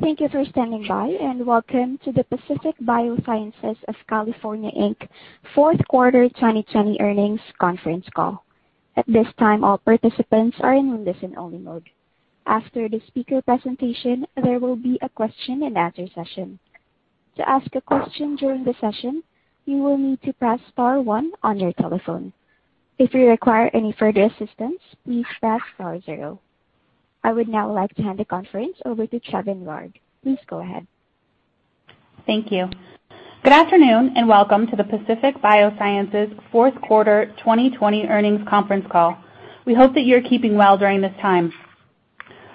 Thank you for standing by, and welcome to the Pacific Biosciences of California, Inc. fourth quarter 2020 earnings conference call. At this time, all participants are in listen only mode. After the speaker presentation, there will be a question-and-answer session. To ask a question during the session, you will need to press star one on your telephone. If you require any further assistance, please press star zero. I would now like to hand the conference over to Trevin Rard. Please go ahead. Thank you. Good afternoon, and welcome to the Pacific Biosciences fourth quarter 2020 earnings conference call. We hope that you're keeping well during this time.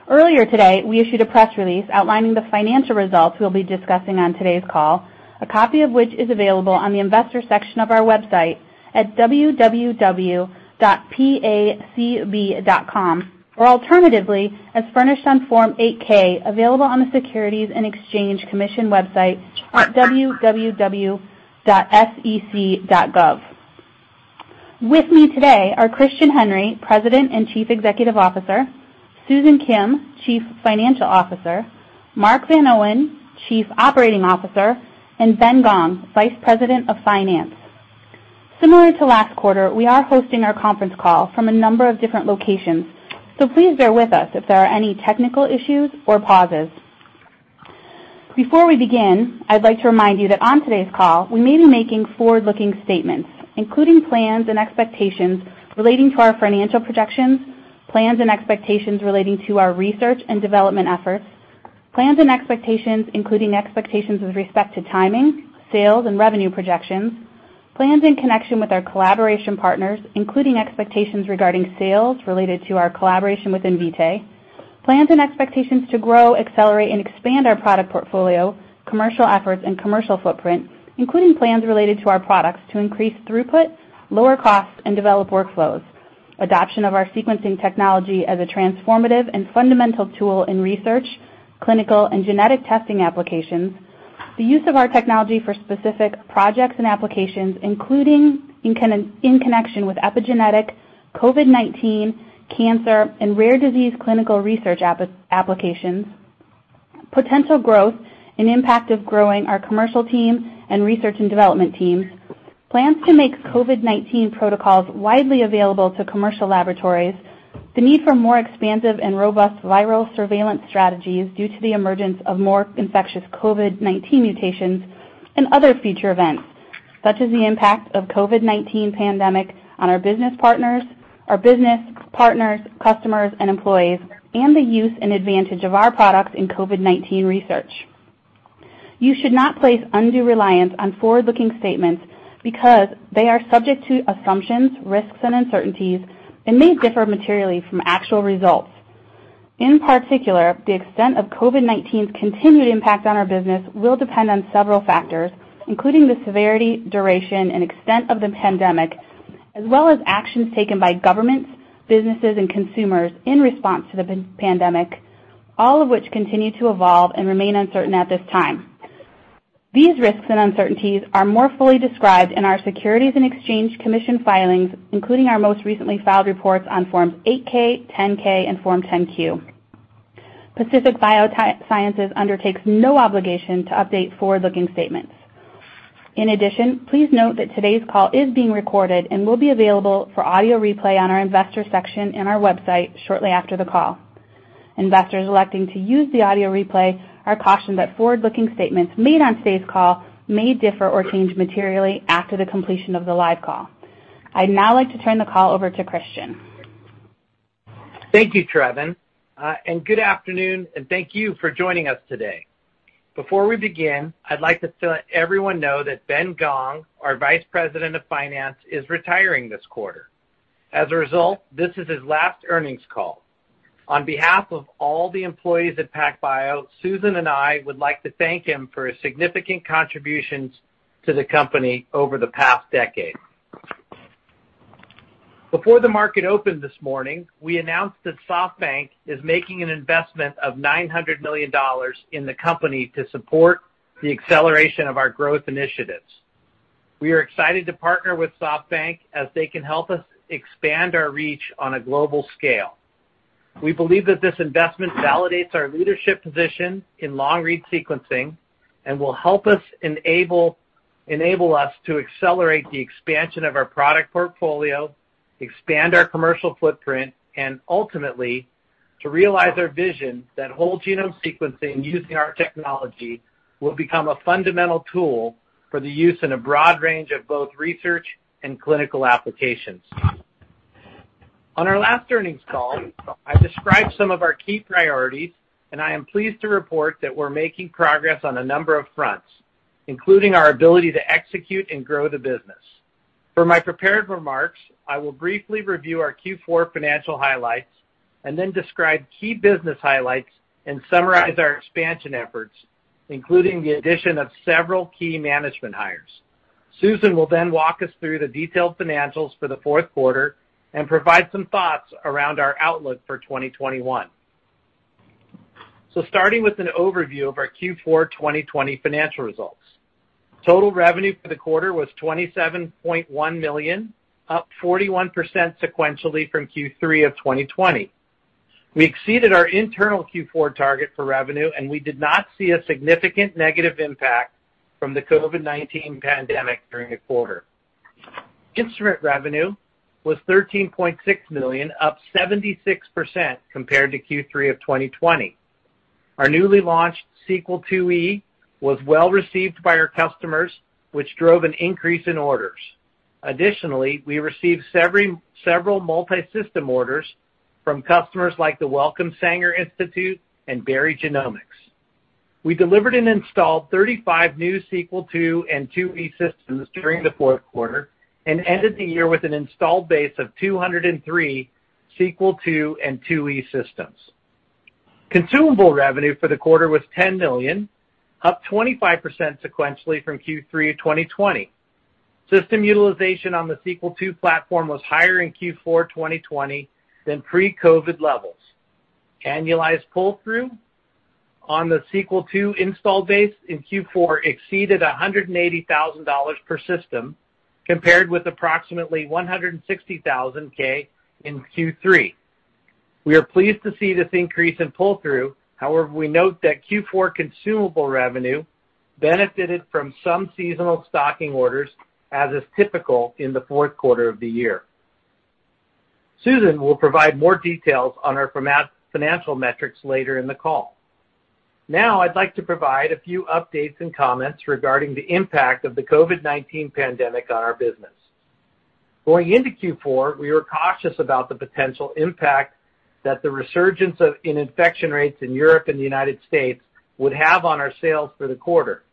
Earlier today, we issued a press release outlining the financial results we'll be discussing on today's call, a copy of which is available on the investor section of our website at www.pacb.com, or alternatively, as furnished on Form 8-K, available on the Securities and Exchange Commission website at www.sec.gov. With me today are Christian Henry, President and Chief Executive Officer, Susan Kim, Chief Financial Officer, Mark Van Oene, Chief Operating Officer, and Ben Gong, Vice President of Finance. Similar to last quarter, we are hosting our conference call from a number of different locations, so please bear with us if there are any technical issues or pauses. Before we begin, I'd like to remind you that on today's call, we may be making forward-looking statements, including plans and expectations relating to our financial projections, plans and expectations relating to our research and development efforts, plans and expectations including expectations with respect to timing, sales, and revenue projections, plans in connection with our collaboration partners, including expectations regarding sales related to our collaboration with Invitae. Plans and expectations to grow, accelerate, and expand our product portfolio, commercial efforts, and commercial footprint, including plans related to our products to increase throughput, lower cost, and develop workflows, adoption of our sequencing technology as a transformative and fundamental tool in research, clinical, and genetic testing applications. The use of our technology for specific projects and applications, including in connection with epigenetic, COVID-19, cancer, and rare disease clinical research applications, potential growth and impact of growing our commercial team and research and development teams, plans to make COVID-19 protocols widely available to commercial laboratories, the need for more expansive and robust viral surveillance strategies due to the emergence of more infectious COVID-19 mutations and other future events, such as the impact of COVID-19 pandemic on our business partners, customers, and employees, and the use and advantage of our products in COVID-19 research. You should not place undue reliance on forward-looking statements because they are subject to assumptions, risks, and uncertainties, and may differ materially from actual results. In particular, the extent of COVID-19's continued impact on our business will depend on several factors, including the severity, duration, and extent of the pandemic, as well as actions taken by governments, businesses, and consumers in response to the pandemic, all of which continue to evolve and remain uncertain at this time. These risks and uncertainties are more fully described in our Securities and Exchange Commission filings, including our most recently filed reports on Forms 8-K, 10-K, and Form 10-Q. Pacific Biosciences undertakes no obligation to update forward-looking statements. Please note that today's call is being recorded and will be available for audio replay on our investor section in our website shortly after the call. Investors electing to use the audio replay are cautioned that forward-looking statements made on today's call may differ or change materially after the completion of the live call. I'd now like to turn the call over to Christian. Thank you, Trevin. Good afternoon, and thank you for joining us today. Before we begin, I'd like to let everyone know that Ben Gong, our Vice President of Finance, is retiring this quarter. As a result, this is his last earnings call. On behalf of all the employees at PacBio, Susan and I would like to thank him for his significant contributions to the company over the past decade. Before the market opened this morning, we announced that SoftBank is making an investment of $900 million in the company to support the acceleration of our growth initiatives. We are excited to partner with SoftBank, as they can help us expand our reach on a global scale. We believe that this investment validates our leadership position in long-read sequencing and will help us enable us to accelerate the expansion of our product portfolio, expand our commercial footprint, and ultimately to realize our vision that whole genome sequencing using our technology will become a fundamental tool for the use in a broad range of both research and clinical applications. On our last earnings call, I described some of our key priorities, I am pleased to report that we're making progress on a number of fronts, including our ability to execute and grow the business. For my prepared remarks, I will briefly review our Q4 financial highlights. Then describe key business highlights and summarize our expansion efforts, including the addition of several key management hires. Susan will then walk us through the detailed financials for the fourth quarter and provide some thoughts around our outlook for 2021. Starting with an overview of our Q4 2020 financial results. Total revenue for the quarter was $27.1 million, up 41% sequentially from Q3 of 2020. We exceeded our internal Q4 target for revenue, and we did not see a significant negative impact from the COVID-19 pandemic during the quarter. Instrument revenue was $13.6 million, up 76% compared to Q3 of 2020. Our newly launched Sequel IIe was well-received by our customers, which drove an increase in orders. Additionally, we received several multi-system orders from customers like the Wellcome Sanger Institute and Berry Genomics. We delivered and installed 35 new Sequel II and IIe systems during the fourth quarter and ended the year with an installed base of 203 Sequel II and IIe systems. Consumable revenue for the quarter was $10 million, up 25% sequentially from Q3 of 2020. System utilization on the Sequel II platform was higher in Q4 2020 than pre-COVID levels. Annualized pull-through on the Sequel II install base in Q4 exceeded $180,000 per system, compared with approximately $160,000 in Q3. We are pleased to see this increase in pull-through. However, I note that Q4 consumable revenue benefited from some seasonal stocking orders, as is typical in the fourth quarter of the year. Susan will provide more details on our financial metrics later in the call. Now, I'd like to provide a few updates and comments regarding the impact of the COVID-19 pandemic on our business. Going into Q4, we were cautious about the potential impact that the resurgence in infection rates in Europe and the U.S. would have on our sales for the quarter.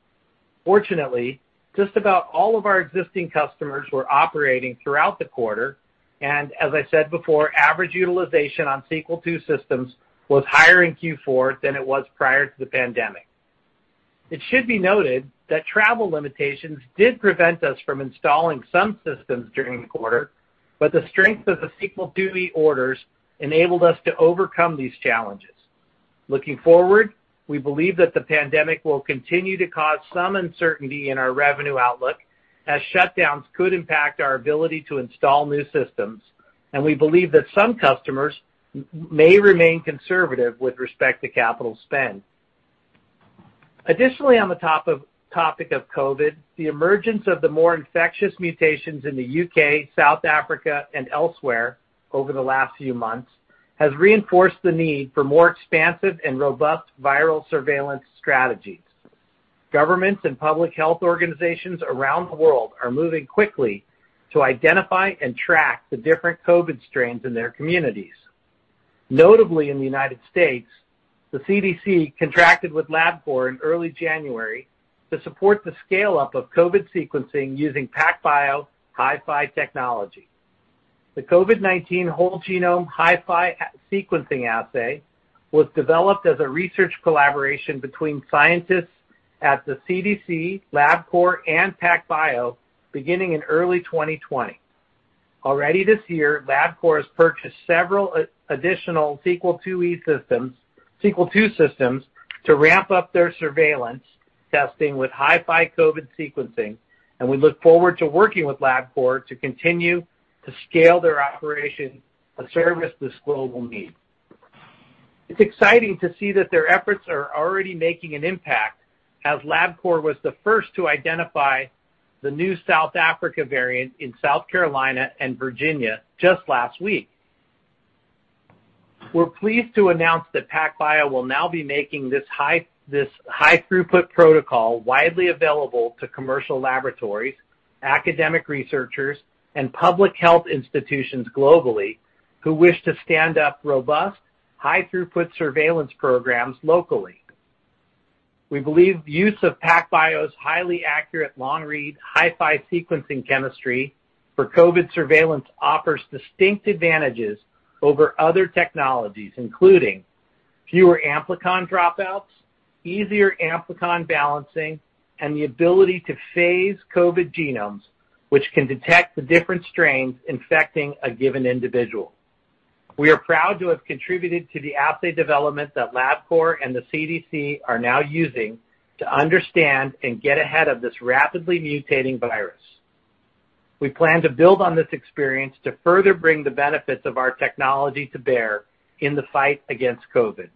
Fortunately, just about all of our existing customers were operating throughout the quarter, and, as I said before, average utilization on Sequel II systems was higher in Q4 than it was prior to the pandemic. It should be noted that travel limitations did prevent us from installing some systems during the quarter, but the strength of the Sequel IIe orders enabled us to overcome these challenges. Looking forward, we believe that the pandemic will continue to cause some uncertainty in our revenue outlook, as shutdowns could impact our ability to install new systems, and we believe that some customers may remain conservative with respect to capital spend. Additionally, on the topic of COVID, the emergence of the more infectious mutations in the U.K., South Africa, and elsewhere over the last few months has reinforced the need for more expansive and robust viral surveillance strategies. Governments and public health organizations around the world are moving quickly to identify and track the different COVID strains in their communities. Notably in the U.S., the CDC contracted with Labcorp in early January to support the scale-up of COVID sequencing using PacBio HiFi technology. The COVID-19 whole genome HiFi sequencing assay was developed as a research collaboration between scientists at the CDC, Labcorp, and PacBio beginning in early 2020. Already this year, Labcorp has purchased several additional Sequel II systems to ramp up their surveillance testing with HiFi COVID sequencing, and we look forward to working with Labcorp to continue to scale their operation to service this global need. It's exciting to see that their efforts are already making an impact, as Labcorp was the first to identify the new South Africa variant in South Carolina and Virginia just last week. We're pleased to announce that PacBio will now be making this high throughput protocol widely available to commercial laboratories, academic researchers, and public health institutions globally who wish to stand up robust, high throughput surveillance programs locally. We believe use of PacBio's highly accurate long-read HiFi sequencing chemistry for COVID surveillance offers distinct advantages over other technologies, including fewer amplicon dropouts, easier amplicon balancing, and the ability to phase COVID genomes, which can detect the different strains infecting a given individual. We are proud to have contributed to the assay development that Labcorp and the CDC are now using to understand and get ahead of this rapidly mutating virus. We plan to build on this experience to further bring the benefits of our technology to bear in the fight against COVID.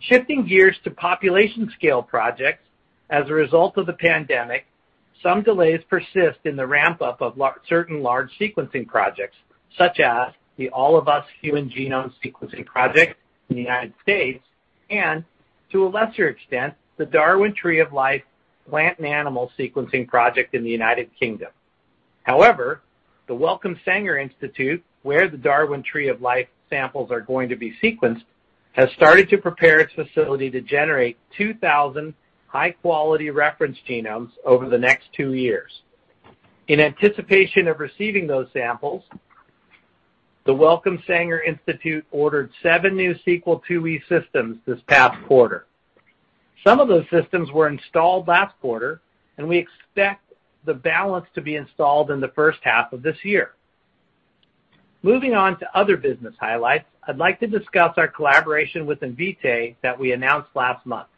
Shifting gears to population scale projects, as a result of the pandemic, some delays persist in the ramp-up of certain large sequencing projects, such as the All of Us human genome sequencing project in the United States and, to a lesser extent, the Darwin Tree of Life plant and animal sequencing project in the United Kingdom. However, the Wellcome Sanger Institute, where the Darwin Tree of Life samples are going to be sequenced, has started to prepare its facility to generate 2,000 high-quality reference genomes over the next two years. In anticipation of receiving those samples, the Wellcome Sanger Institute ordered seven new Sequel IIe systems this past quarter. Some of those systems were installed last quarter, and we expect the balance to be installed in the first half of this year. Moving on to other business highlights, I'd like to discuss our collaboration with Invitae that we announced last month.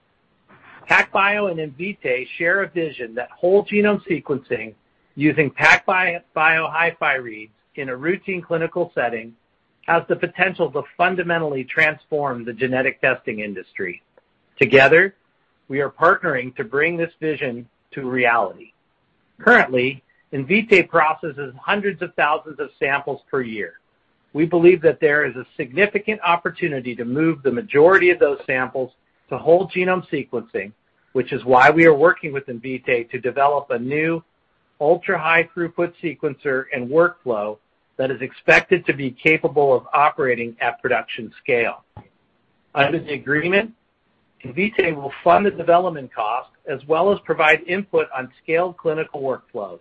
PacBio and Invitae share a vision that whole genome sequencing using PacBio HiFi reads in a routine clinical setting has the potential to fundamentally transform the genetic testing industry. Together, we are partnering to bring this vision to reality. Currently, Invitae processes hundreds of thousands of samples per year. We believe that there is a significant opportunity to move the majority of those samples to whole genome sequencing, which is why we are working with Invitae to develop a new ultra-high throughput sequencer and workflow that is expected to be capable of operating at production scale. Under the agreement, Invitae will fund the development cost as well as provide input on scaled clinical workflows.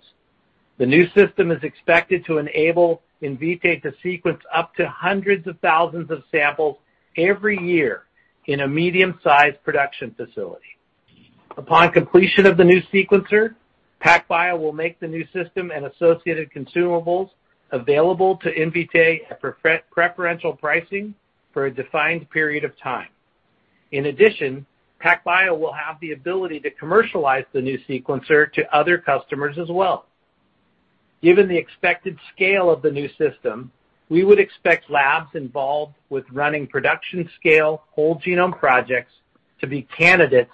The new system is expected to enable Invitae to sequence up to hundreds of thousands of samples every year in a medium-sized production facility. Upon completion of the new sequencer, PacBio will make the new system and associated consumables available to Invitae at preferential pricing for a defined period of time. In addition, PacBio will have the ability to commercialize the new sequencer to other customers as well. Given the expected scale of the new system, we would expect labs involved with running production scale whole genome projects to be candidates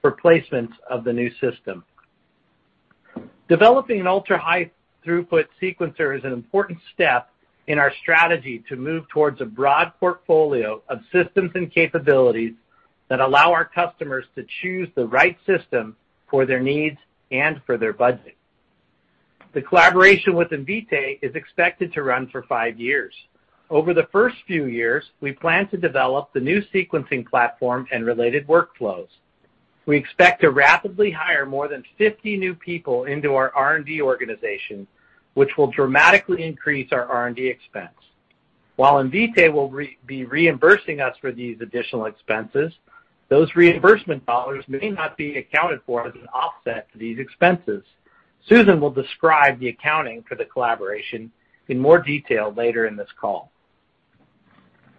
for placements of the new system. Developing an ultra-high throughput sequencer is an important step in our strategy to move towards a broad portfolio of systems and capabilities that allow our customers to choose the right system for their needs and for their budget. The collaboration with Invitae is expected to run for five years. Over the first few years, we plan to develop the new sequencing platform and related workflows. We expect to rapidly hire more than 50 new people into our R&D organization, which will dramatically increase our R&D expense. While Invitae will be reimbursing us for these additional expenses, those reimbursement dollars may not be accounted for as an offset to these expenses. Susan will describe the accounting for the collaboration in more detail later in this call.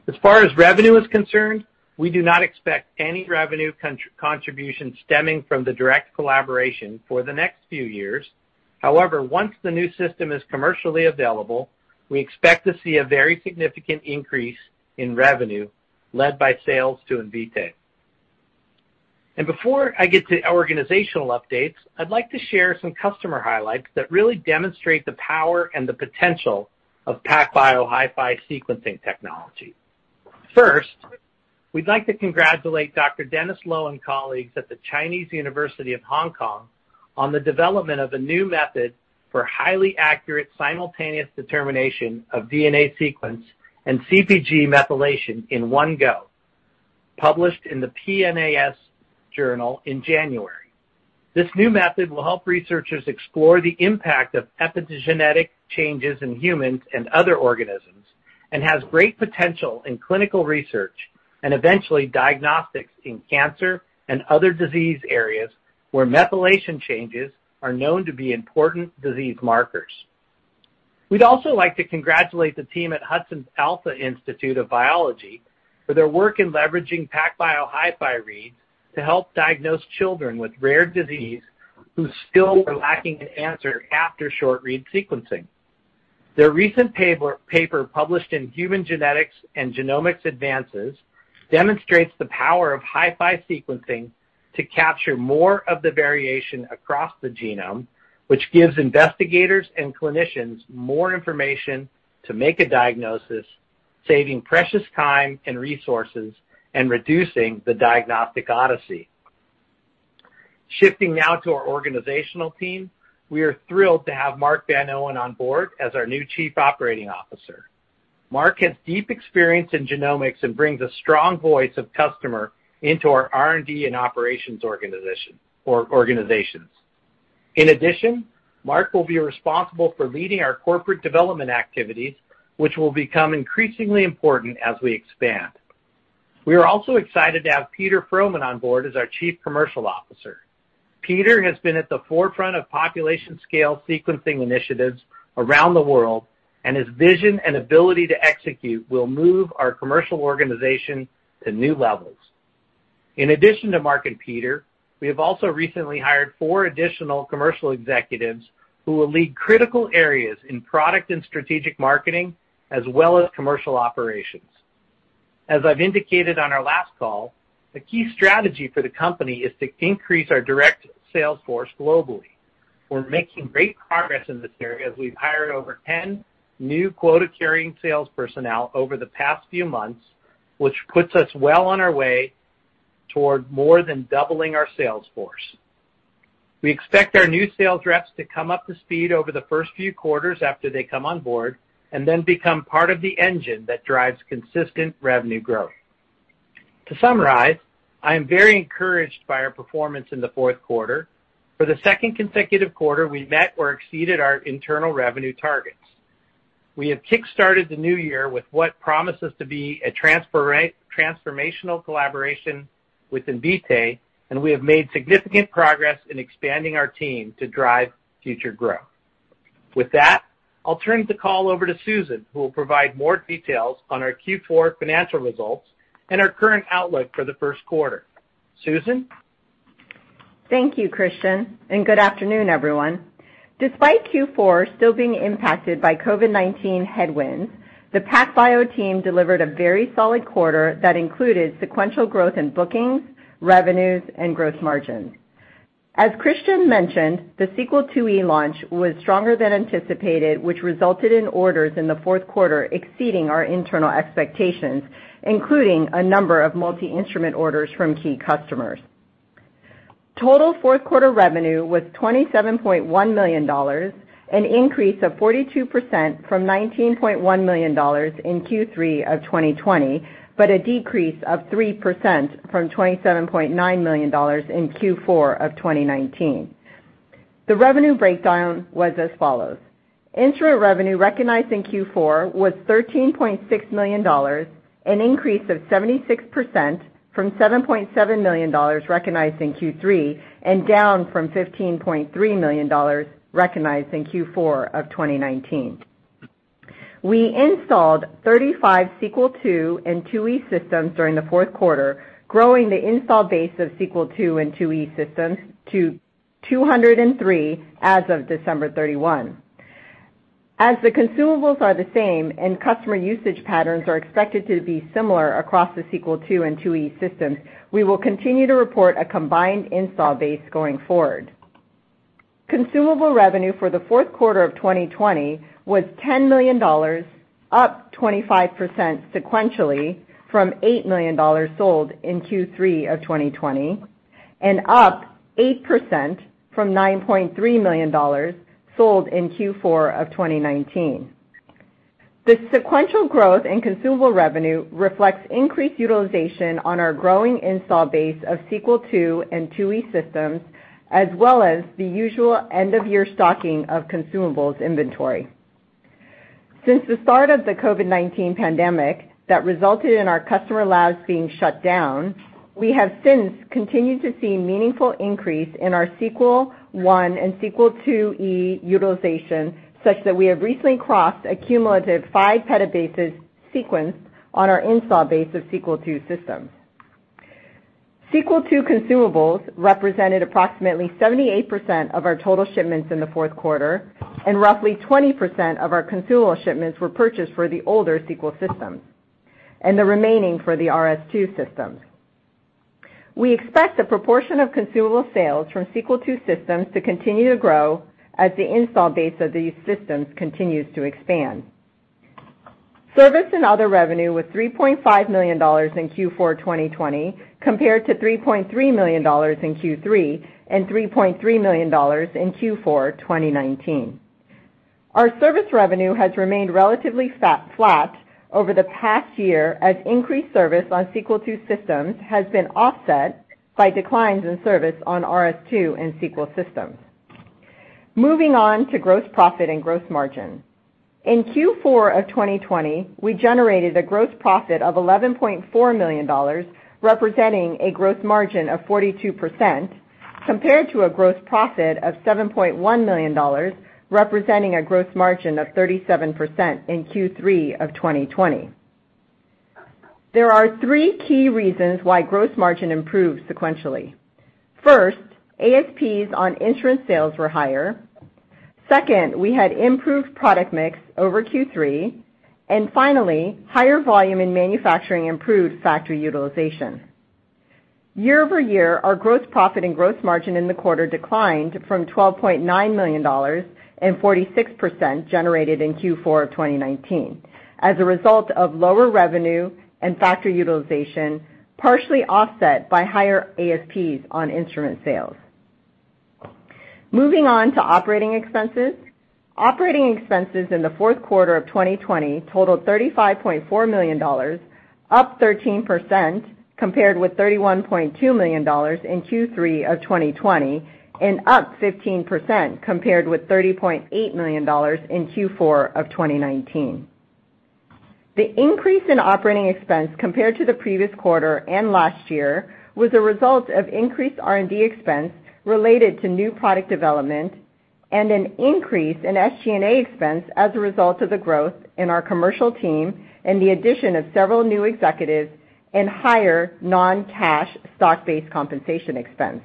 As far as revenue is concerned, we do not expect any revenue contribution stemming from the direct collaboration for the next few years. However, once the new system is commercially available, we expect to see a very significant increase in revenue led by sales to Invitae. Before I get to organizational updates, I'd like to share some customer highlights that really demonstrate the power and the potential of PacBio HiFi sequencing technology. First, we'd like to congratulate Dr. Dennis Lo and colleagues at the Chinese University of Hong Kong on the development of a new method for highly accurate, simultaneous determination of DNA sequence and CpG methylation in one go, published in the PNAS journal in January. This new method will help researchers explore the impact of epigenetic changes in humans and other organisms, and has great potential in clinical research and eventually diagnostics in cancer and other disease areas where methylation changes are known to be important disease markers. We'd also like to congratulate the team at HudsonAlpha Institute for Biotechnology for their work in leveraging PacBio HiFi reads to help diagnose children with rare disease who still are lacking an answer after short read sequencing. Their recent paper, published in Human Genetics and Genomics Advances, demonstrates the power of HiFi sequencing to capture more of the variation across the genome, which gives investigators and clinicians more information to make a diagnosis, saving precious time and resources, and reducing the diagnostic odyssey. Shifting now to our organizational team, we are thrilled to have Mark Van Oene on board as our new Chief Operating Officer. Mark has deep experience in genomics and brings a strong voice of customer into our R&D and operations organizations. In addition, Mark will be responsible for leading our corporate development activities, which will become increasingly important as we expand. We are also excited to have Peter Fromen on board as our Chief Commercial Officer. Peter has been at the forefront of population scale sequencing initiatives around the world, and his vision and ability to execute will move our commercial organization to new levels. In addition to Mark and Peter, we have also recently hired four additional commercial executives who will lead critical areas in product and strategic marketing as well as commercial operations. As I've indicated on our last call, the key strategy for the company is to increase our direct sales force globally. We're making great progress in this area as we've hired over 10 new quota-carrying sales personnel over the past few months, which puts us well on our way toward more than doubling our sales force. We expect our new sales reps to come up to speed over the first few quarters after they come on board, and then become part of the engine that drives consistent revenue growth. To summarize, I am very encouraged by our performance in the fourth quarter. For the second consecutive quarter, we met or exceeded our internal revenue targets. We have kickstarted the new year with what promises to be a transformational collaboration with Invitae, and we have made significant progress in expanding our team to drive future growth. With that, I'll turn the call over to Susan, who will provide more details on our Q4 financial results and our current outlook for the first quarter. Susan? Thank you, Christian, and good afternoon, everyone. Despite Q4 still being impacted by COVID-19 headwinds, the PacBio team delivered a very solid quarter that included sequential growth in bookings, revenues, and gross margins. As Christian mentioned, the Sequel IIe launch was stronger than anticipated, which resulted in orders in the fourth quarter exceeding our internal expectations, including a number of multi-instrument orders from key customers. Total fourth quarter revenue was $27.1 million, an increase of 42% from $19.1 million in Q3 of 2020, but a decrease of 3% from $27.9 million in Q4 of 2019. The revenue breakdown was as follows. Instrument revenue recognized in Q4 was $13.6 million, an increase of 76% from $7.7 million recognized in Q3, and down from $15.3 million recognized in Q4 of 2019. We installed 35 Sequel II and IIe systems during the fourth quarter, growing the install base of Sequel II and IIe systems to 203 as of December 31. As the consumables are the same and customer usage patterns are expected to be similar across the Sequel II and IIe systems, we will continue to report a combined install base going forward. Consumable revenue for the fourth quarter of 2020 was $10 million, up 25% sequentially from $8 million sold in Q3 of 2020, and up 8% from $9.3 million sold in Q4 of 2019. The sequential growth in consumable revenue reflects increased utilization on our growing install base of Sequel II and IIe systems, as well as the usual end-of-year stocking of consumables inventory. Since the start of the COVID-19 pandemic that resulted in our customer labs being shut down, we have since continued to see meaningful increase in our Sequel I and Sequel IIe utilization, such that we have recently crossed a cumulative five petabases sequenced on our install base of Sequel II systems. Sequel II consumables represented approximately 78% of our total shipments in the fourth quarter, and roughly 20% of our consumable shipments were purchased for the older Sequel systems, and the remaining for the RS II systems. We expect the proportion of consumable sales from Sequel II systems to continue to grow as the install base of these systems continues to expand. Service and other revenue was $3.5 million in Q4 2020, compared to $3.3 million in Q3 and $3.3 million in Q4 2019. Our service revenue has remained relatively flat over the past year as increased service on Sequel II systems has been offset by declines in service on RS II and Sequel systems. Moving on to gross profit and gross margin. In Q4 2020, we generated a gross profit of $11.4 million, representing a gross margin of 42%, compared to a gross profit of $7.1 million, representing a gross margin of 37% in Q3 2020. There are three key reasons why gross margin improved sequentially. First, ASPs on instrument sales were higher. Second, we had improved product mix over Q3. Finally, higher volume in manufacturing improved factory utilization. Year-over-year, our gross profit and gross margin in the quarter declined from $12.9 million and 46% generated in Q4 2019 as a result of lower revenue and factory utilization, partially offset by higher ASPs on instrument sales. Moving on to operating expenses. Operating expenses in the fourth quarter of 2020 totaled $35.4 million, up 13%, compared with $31.2 million in Q3 of 2020, and up 15% compared with $30.8 million in Q4 of 2019. The increase in operating expense compared to the previous quarter and last year was a result of increased R&D expense related to new product development and an increase in SG&A expense as a result of the growth in our commercial team and the addition of several new executives and higher non-cash stock-based compensation expense.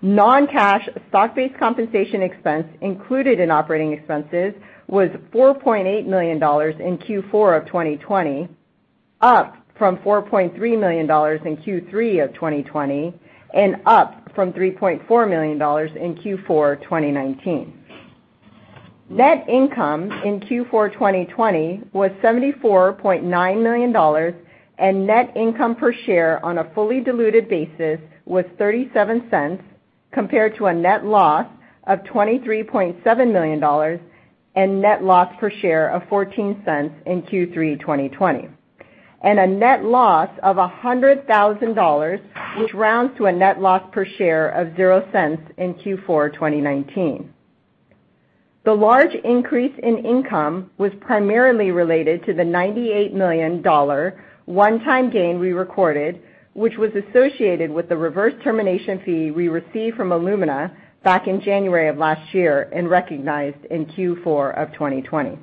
Non-cash stock-based compensation expense included in operating expenses was $4.8 million in Q4 of 2020, up from $4.3 million in Q3 of 2020, and up from $3.4 million in Q4 2019. Net income in Q4 2020 was $74.9 million, and net income per share on a fully diluted basis was $0.37, compared to a net loss of $23.7 million, and net loss per share of $0.14 in Q3 2020, and a net loss of $100,000, which rounds to a net loss per share of $0.00 in Q4 2019. The large increase in income was primarily related to the $98 million one-time gain we recorded, which was associated with the reverse termination fee we received from Illumina back in January of last year and recognized in Q4 of 2020.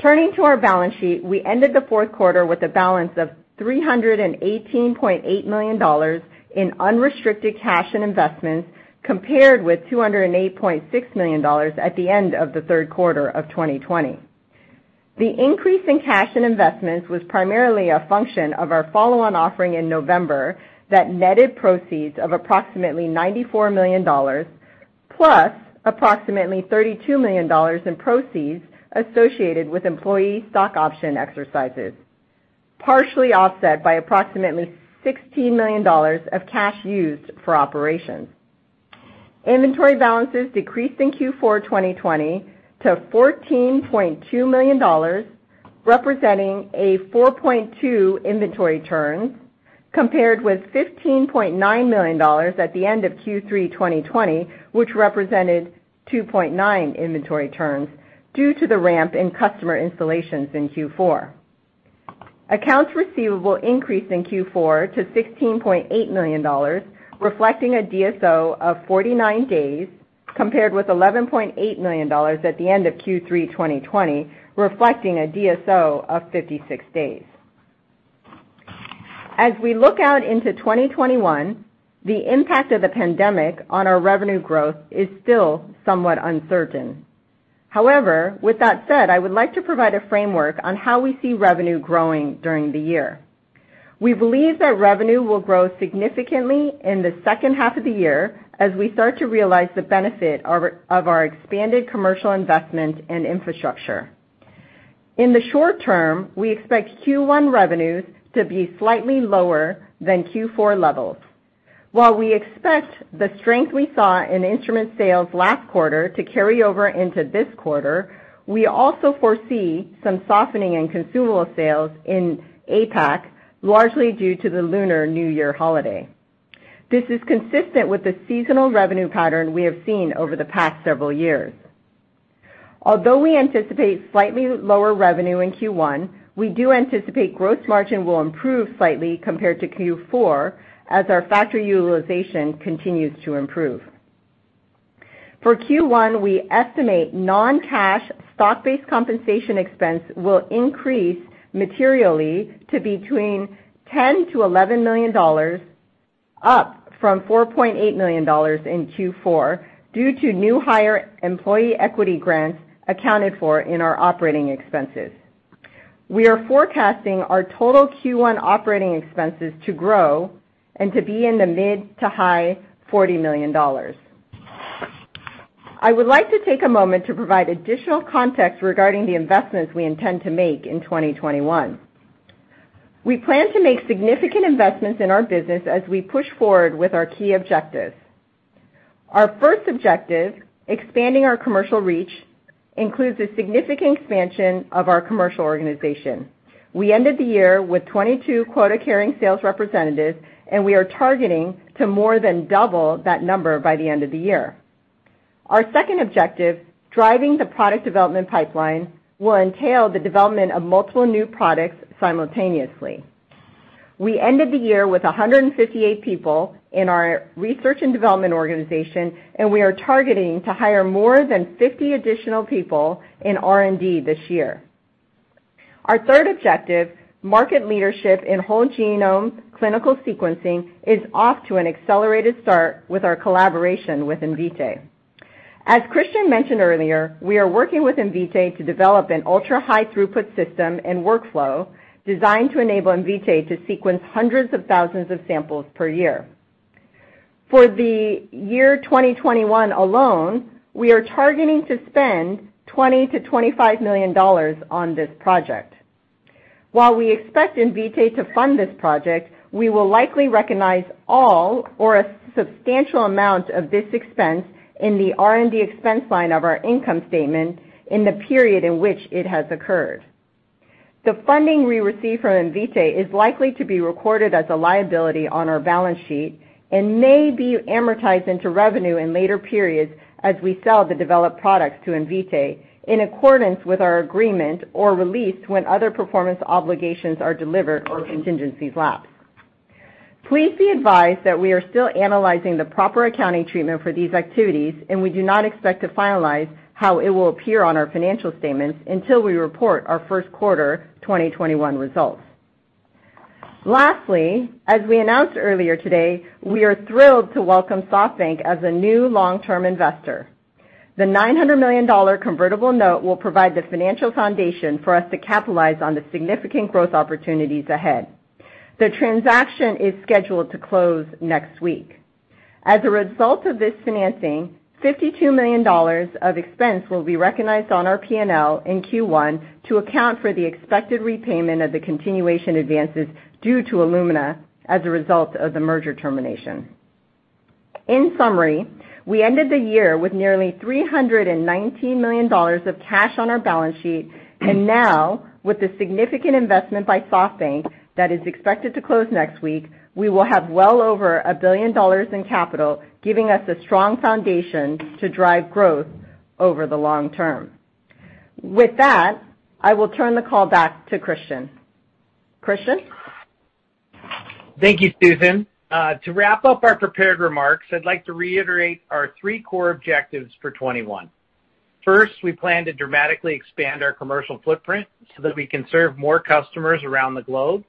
Turning to our balance sheet, we ended the fourth quarter with a balance of $318.8 million in unrestricted cash and investments, compared with $208.6 million at the end of the third quarter of 2020. The increase in cash and investments was primarily a function of our follow-on offering in November that netted proceeds of approximately $94 million, plus approximately $32 million in proceeds associated with employee stock option exercises, partially offset by approximately $16 million of cash used for operations. Inventory balances decreased in Q4 2020 to $14.2 million, representing a 4.2 inventory turn, compared with $15.9 million at the end of Q3 2020, which represented 2.9 inventory turns due to the ramp in customer installations in Q4. Accounts receivable increased in Q4 to $16.8 million, reflecting a DSO of 49 days, compared with $11.8 million at the end of Q3 2020, reflecting a DSO of 56 days. As we look out into 2021, the impact of the pandemic on our revenue growth is still somewhat uncertain. However, with that said, I would like to provide a framework on how we see revenue growing during the year. We believe that revenue will grow significantly in the second half of the year as we start to realize the benefit of our expanded commercial investment and infrastructure. In the short-term, we expect Q1 revenues to be slightly lower than Q4 levels. While we expect the strength we saw in instrument sales last quarter to carry over into this quarter, we also foresee some softening in consumable sales in APAC, largely due to the Lunar New Year holiday. This is consistent with the seasonal revenue pattern we have seen over the past several years. Although we anticipate slightly lower revenue in Q1, we do anticipate gross margin will improve slightly compared to Q4 as our factory utilization continues to improve. For Q1, we estimate non-cash stock-based compensation expense will increase materially to between $10 million-$11 million, up from $4.8 million in Q4, due to new hire employee equity grants accounted for in our operating expenses. We are forecasting our total Q1 operating expenses to grow and to be in the mid to high $40 million. I would like to take a moment to provide additional context regarding the investments we intend to make in 2021. We plan to make significant investments in our business as we push forward with our key objectives. Our first objective, expanding our commercial reach, includes a significant expansion of our commercial organization. We ended the year with 22 quota-carrying sales representatives, and we are targeting to more than double that number by the end of the year. Our second objective, driving the product development pipeline, will entail the development of multiple new products simultaneously. We ended the year with 158 people in our research and development organization. We are targeting to hire more than 50 additional people in R&D this year. Our third objective, market leadership in whole genome clinical sequencing, is off to an accelerated start with our collaboration with Invitae. As Christian mentioned earlier, we are working with Invitae to develop an ultra-high throughput system and workflow designed to enable Invitae to sequence hundreds of thousands of samples per year. For the year 2021 alone, we are targeting to spend $20 million-$25 million on this project. While we expect Invitae to fund this project, we will likely recognize all or a substantial amount of this expense in the R&D expense line of our income statement in the period in which it has occurred. The funding we receive from Invitae is likely to be recorded as a liability on our balance sheet and may be amortized into revenue in later periods as we sell the developed products to Invitae in accordance with our agreement or released when other performance obligations are delivered or contingencies lapse. Please be advised that we are still analyzing the proper accounting treatment for these activities, and we do not expect to finalize how it will appear on our financial statements until we report our first quarter 2021 results. Lastly, as we announced earlier today, we are thrilled to welcome SoftBank as a new long-term investor. The $900 million convertible note will provide the financial foundation for us to capitalize on the significant growth opportunities ahead. The transaction is scheduled to close next week. As a result of this financing, $52 million of expense will be recognized on our P&L in Q1 to account for the expected repayment of the continuation advances due to Illumina as a result of the merger termination. In summary, we ended the year with nearly $319 million of cash on our balance sheet, and now, with the significant investment by SoftBank that is expected to close next week, we will have well over $1 billion in capital, giving us a strong foundation to drive growth over the long term. With that, I will turn the call back to Christian. Christian? Thank you, Susan. To wrap up our prepared remarks, I'd like to reiterate our three core objectives for 2021. First, we plan to dramatically expand our commercial footprint so that we can serve more customers around the globe.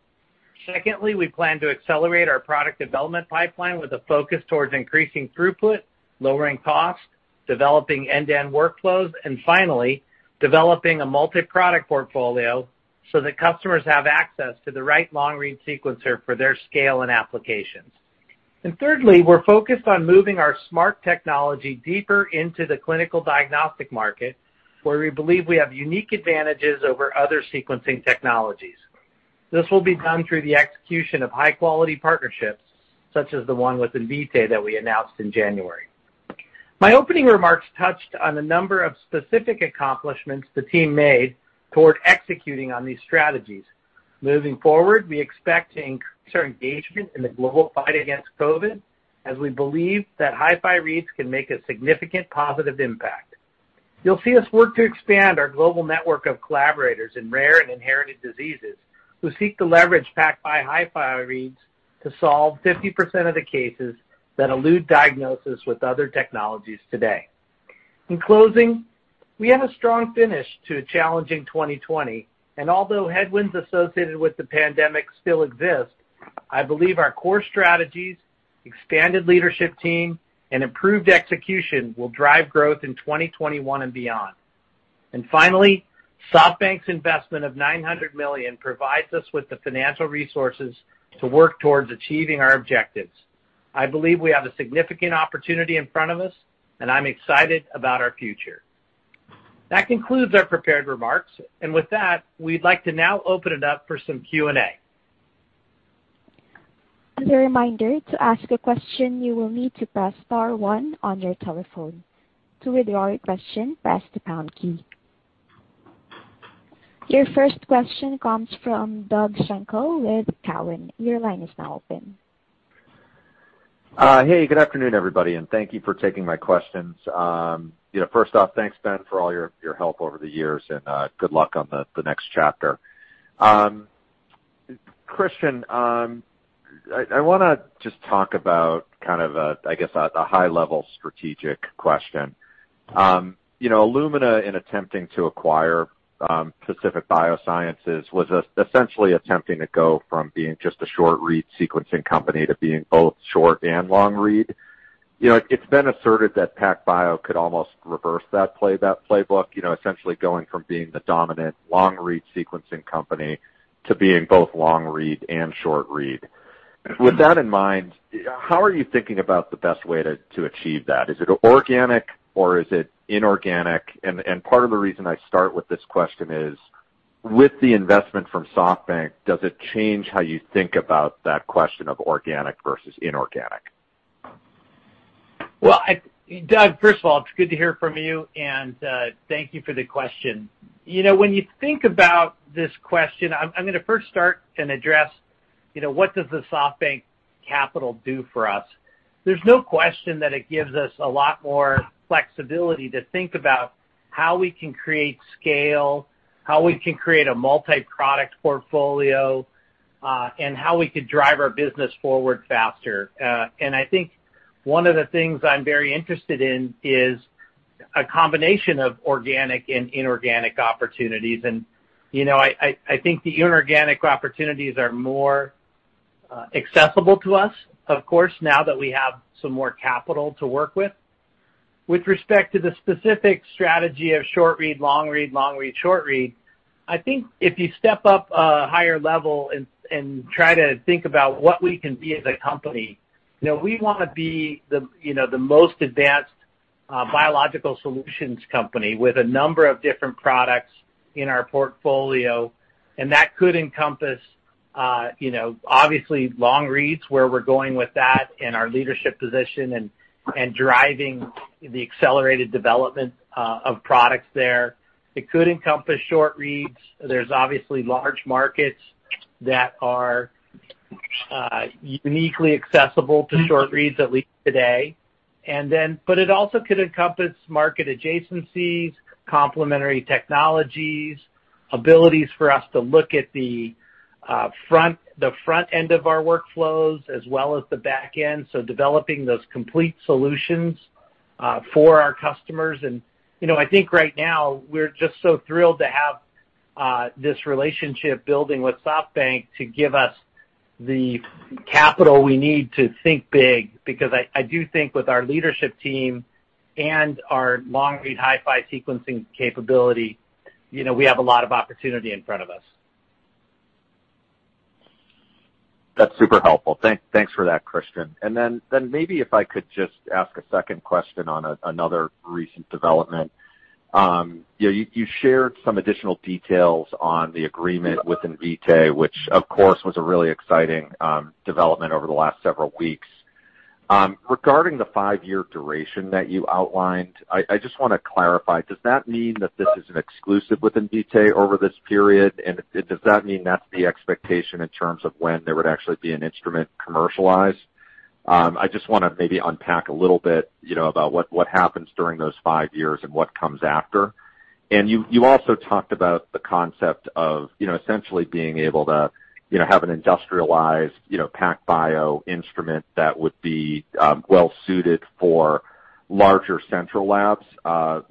Secondly, we plan to accelerate our product development pipeline with a focus towards increasing throughput, lowering cost, developing end-to-end workflows, and finally, developing a multi-product portfolio so that customers have access to the right long-read sequencer for their scale and applications. Thirdly, we're focused on moving our SMRT technology deeper into the clinical diagnostic market, where we believe we have unique advantages over other sequencing technologies. This will be done through the execution of high-quality partnerships, such as the one with Invitae that we announced in January. My opening remarks touched on a number of specific accomplishments the team made toward executing on these strategies. Moving forward, we expect to increase our engagement in the global fight against COVID, as we believe that HiFi reads can make a significant positive impact. You'll see us work to expand our global network of collaborators in rare and inherited diseases who seek to leverage PacBio HiFi reads to solve 50% of the cases that elude diagnosis with other technologies today. In closing, we had a strong finish to a challenging 2020, and although headwinds associated with the pandemic still exist, I believe our core strategies, expanded leadership team, and improved execution will drive growth in 2021 and beyond. Finally, SoftBank's investment of $900 million provides us with the financial resources to work towards achieving our objectives. I believe we have a significant opportunity in front of us, and I'm excited about our future. That concludes our prepared remarks. With that, we'd like to now open it up for some Q&A. As a reminder, to ask a question, you will need to press star one on your telephone. To withdraw your question, press the pound key. Your first question comes from Doug Schenkel with Cowen. Your line is now open. Hey, good afternoon, everybody, and thank you for taking my questions. First off, thanks, Ben, for all your help over the years, and good luck on the next chapter. Christian, I want to just talk about a high-level strategic question. Illumina, in attempting to acquire Pacific Biosciences, was essentially attempting to go from being just a short-read sequencing company to being both short and long read. It's been asserted that PacBio could almost reverse that playbook, essentially going from being the dominant long-read sequencing company to being both long read and short read. With that in mind, how are you thinking about the best way to achieve that? Is it organic, or is it inorganic? Part of the reason I start with this question is, with the investment from SoftBank, does it change how you think about that question of organic versus inorganic? Well, Doug, first of all, it's good to hear from you, and thank you for the question. When you think about this question, I'm going to first start and address what does the SoftBank capital do for us. There's no question that it gives us a lot more flexibility to think about how we can create scale, how we can create a multi-product portfolio, and how we could drive our business forward faster. I think one of the things I'm very interested in is a combination of organic and inorganic opportunities. I think the inorganic opportunities are more accessible to us, of course, now that we have some more capital to work with. With respect to the specific strategy of short read, long read, long read, short read, I think if you step up a higher level and try to think about what we can be as a company, we want to be the most advanced biological solutions company with a number of different products in our portfolio, and that could encompass, obviously, long reads, where we're going with that and our leadership position and driving the accelerated development of products there. It could encompass short reads. There's obviously large markets that are uniquely accessible to short reads, at least today. It also could encompass market adjacencies, complementary technologies, abilities for us to look at the front end of our workflows as well as the back end, so developing those complete solutions for our customers. I think right now, we're just so thrilled to have this relationship building with SoftBank to give us the capital we need to think big, because I do think with our leadership team and our long-read HiFi sequencing capability, we have a lot of opportunity in front of us. That's super helpful. Thanks for that, Christian. Maybe if I could just ask a second question on another recent development. You shared some additional details on the agreement with Invitae, which of course was a really exciting development over the last several weeks. Regarding the five-year duration that you outlined, I just want to clarify, does that mean that this is an exclusive with Invitae over this period, and does that mean that's the expectation in terms of when there would actually be an instrument commercialized? I just want to maybe unpack a little bit about what happens during those five years and what comes after. You also talked about the concept of essentially being able to have an industrialized PacBio instrument that would be well-suited for larger central labs,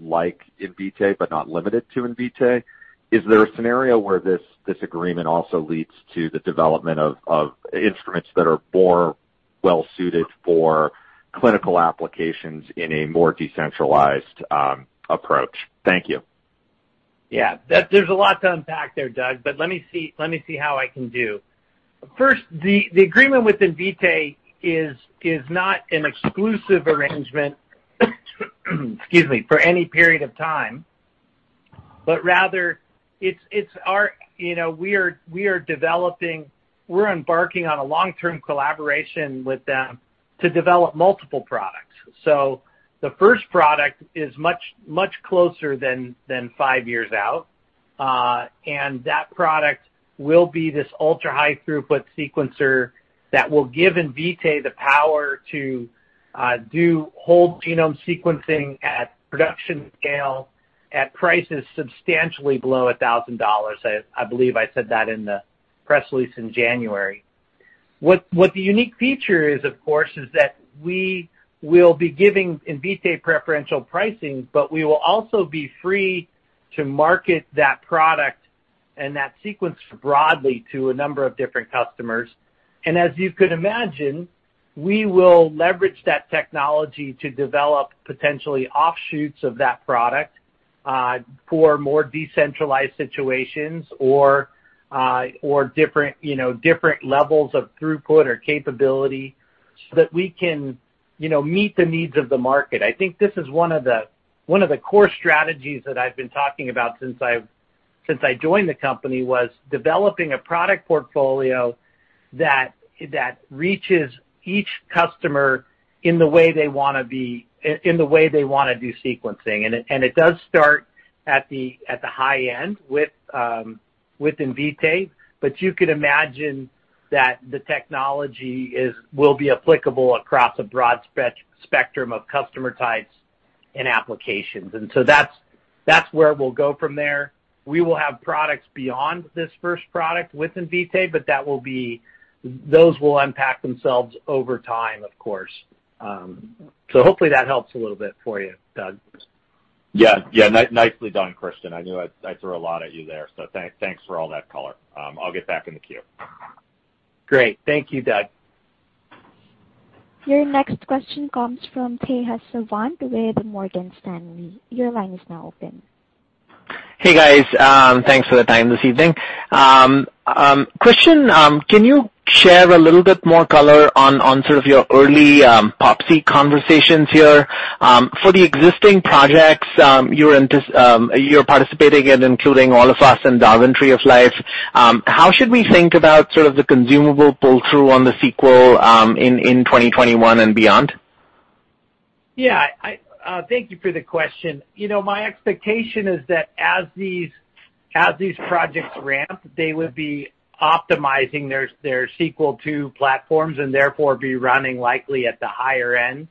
like Invitae, but not limited to Invitae. Is there a scenario where this agreement also leads to the development of instruments that are more well-suited for clinical applications in a more decentralized approach? Thank you. There's a lot to unpack there, Doug, let me see how I can do. First, the agreement with Invitae is not an exclusive arrangement excuse me, for any period of time, rather we're embarking on a long-term collaboration with them to develop multiple products. The first product is much closer than five years out, that product will be this ultra-high-throughput sequencer that will give Invitae the power to do whole genome sequencing at production scale at prices substantially below $1,000. I believe I said that in the press release in January. What the unique feature is, of course, is that we will be giving Invitae preferential pricing, we will also be free to market that product and that sequence broadly to a number of different customers. As you could imagine, we will leverage that technology to develop potentially offshoots of that product for more decentralized situations or different levels of throughput or capability so that we can meet the needs of the market. I think this is one of the core strategies that I've been talking about since I joined the company, was developing a product portfolio that reaches each customer in the way they want to do sequencing. It does start at the high end with Invitae, but you could imagine that the technology will be applicable across a broad spectrum of customer types and applications. That's where we'll go from there. We will have products beyond this first product with Invitae, but those will unpack themselves over time, of course. Hopefully that helps a little bit for you, Doug. Yeah. Nicely done, Christian. I knew I threw a lot at you there, so thanks for all that color. I'll get back in the queue. Great. Thank you, Doug. Your next question comes from Tejas Savant with Morgan Stanley. Your line is now open. Hey, guys. Thanks for the time this evening. Christian, can you share a little bit more color on sort of your early PopSeq conversations here? For the existing projects you're participating in, including All of Us and Darwin Tree of Life, how should we think about sort of the consumable pull-through on the Sequel in 2021 and beyond? Yeah. Thank you for the question. My expectation is that as these projects ramp, they would be optimizing their Sequel II platforms and therefore be running likely at the higher end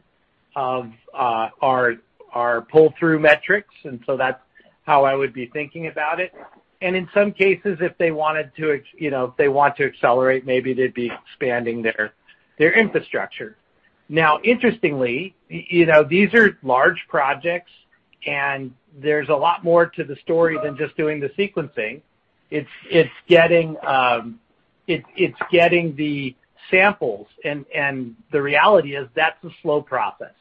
of our pull-through metrics, and so that's how I would be thinking about it. In some cases, if they want to accelerate, maybe they'd be expanding their infrastructure. Now, interestingly, these are large projects, and there's a lot more to the story than just doing the sequencing. It's getting the samples, and the reality is that's a slow process,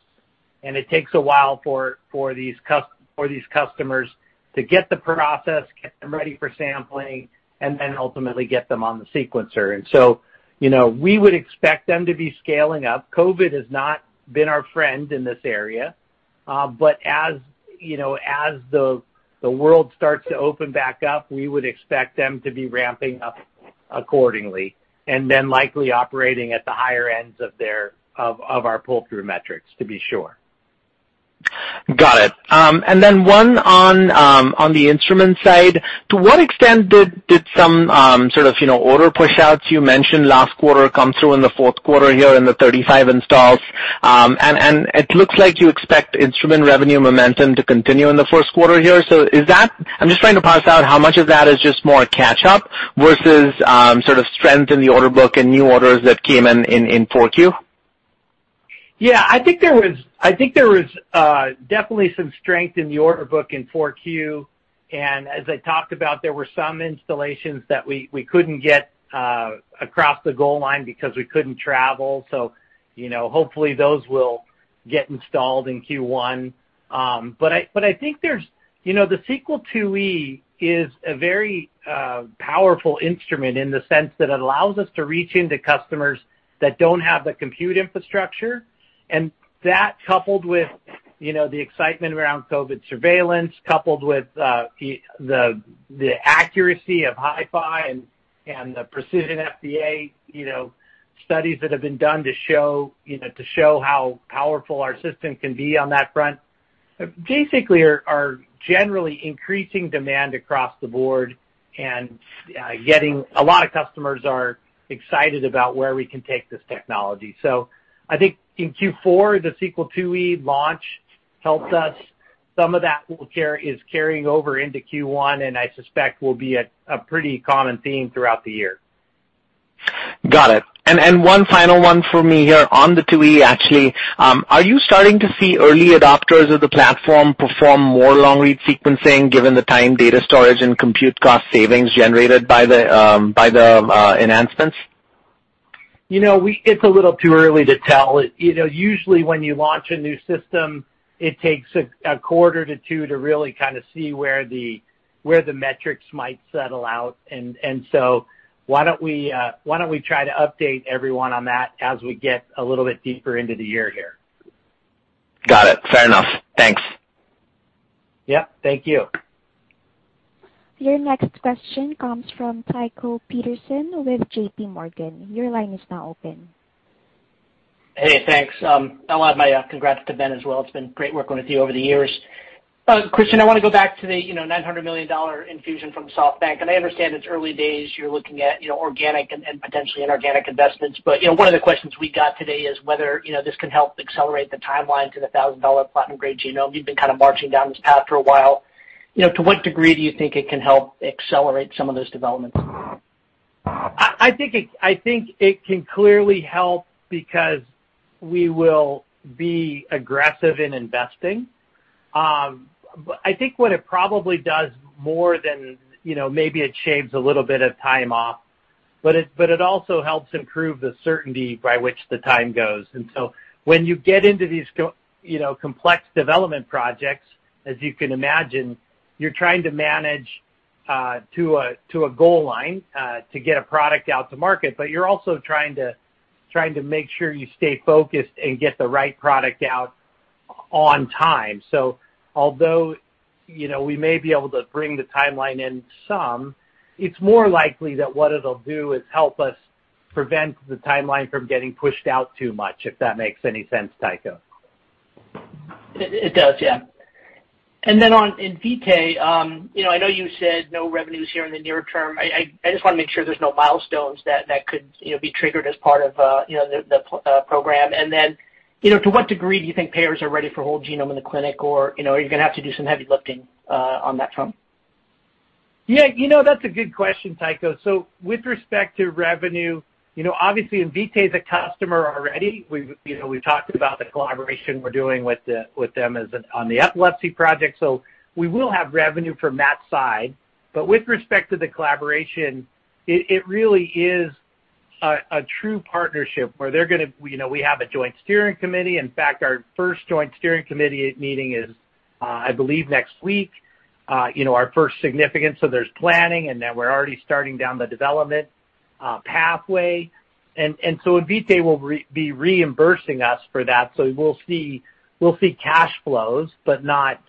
and it takes a while for these customers to get the process, get them ready for sampling, and then ultimately get them on the sequencer. We would expect them to be scaling up. COVID has not been our friend in this area, but as the world starts to open back up, we would expect them to be ramping up accordingly, and then likely operating at the higher ends of our pull-through metrics to be sure. Got it. One on the instrument side. To what extent did some sort of order pushouts you mentioned last quarter come through in the fourth quarter here in the 35 installs? It looks like you expect instrument revenue momentum to continue in the first quarter here. I'm just trying to parse out how much of that is just more catch-up versus sort of strength in the order book and new orders that came in in 4Q? I think there was definitely some strength in the order book in 4Q, and as I talked about, there were some installations that we couldn't get across the goal line because we couldn't travel, so hopefully those will get installed in Q1. I think the Sequel IIe is a very powerful instrument in the sense that it allows us to reach into customers that don't have the compute infrastructure, and that coupled with the excitement around COVID surveillance, coupled with the accuracy of HiFi and the precisionFDA studies that have been done to show how powerful our system can be on that front. Basically, are generally increasing demand across the board and getting a lot of customers are excited about where we can take this technology. I think in Q4, the Sequel IIe launch helped us. Some of that is carrying over into Q1, and I suspect will be a pretty common theme throughout the year. Got it. One final one for me here on the IIe, actually. Are you starting to see early adopters of the platform perform more long-read sequencing given the time data storage and compute cost savings generated by the enhancements? It's a little too early to tell. Usually, when you launch a new system, it takes a quarter to two to really kind of see where the metrics might settle out. Why don't we try to update everyone on that as we get a little bit deeper into the year here? Got it. Fair enough. Thanks. Yep. Thank you. Your next question comes from Tycho Peterson with JPMorgan. Your line is now open. Hey, thanks. I want to add my congrats to Ben as well. It's been great working with you over the years. Christian, I want to go back to the $900 million infusion from SoftBank. I understand it's early days, you're looking at organic and potentially inorganic investments. One of the questions we got today is whether this can help accelerate the timeline to the $1,000 platinum-grade genome. You've been kind of marching down this path for a while. To what degree do you think it can help accelerate some of those developments? I think it can clearly help because we will be aggressive in investing. I think what it probably does more than, maybe it shaves a little bit of time off, but it also helps improve the certainty by which the time goes. When you get into these complex development projects, as you can imagine, you're trying to manage to a goal line, to get a product out to market, but you're also trying to make sure you stay focused and get the right product out on time. Although we may be able to bring the timeline in some, it's more likely that what it'll do is help us prevent the timeline from getting pushed out too much, if that makes any sense, Tycho. It does, yeah. On Invitae, I know you said no revenues here in the near-term. I just want to make sure there's no milestones that could be triggered as part of the program. To what degree do you think payers are ready for whole genome in the clinic, or are you going to have to do some heavy lifting on that front? Yeah, that's a good question, Tycho. With respect to revenue, obviously Invitae is a customer already. We've talked about the collaboration we're doing with them on the epilepsy project. We will have revenue from that side. With respect to the collaboration, it really is a true partnership where we have a joint steering committee. In fact, our first Joint Steering Committee meeting is, I believe, next week, our first significance. There's planning, and then we're already starting down the development pathway. Invitae will be reimbursing us for that. We'll see cash flows, but not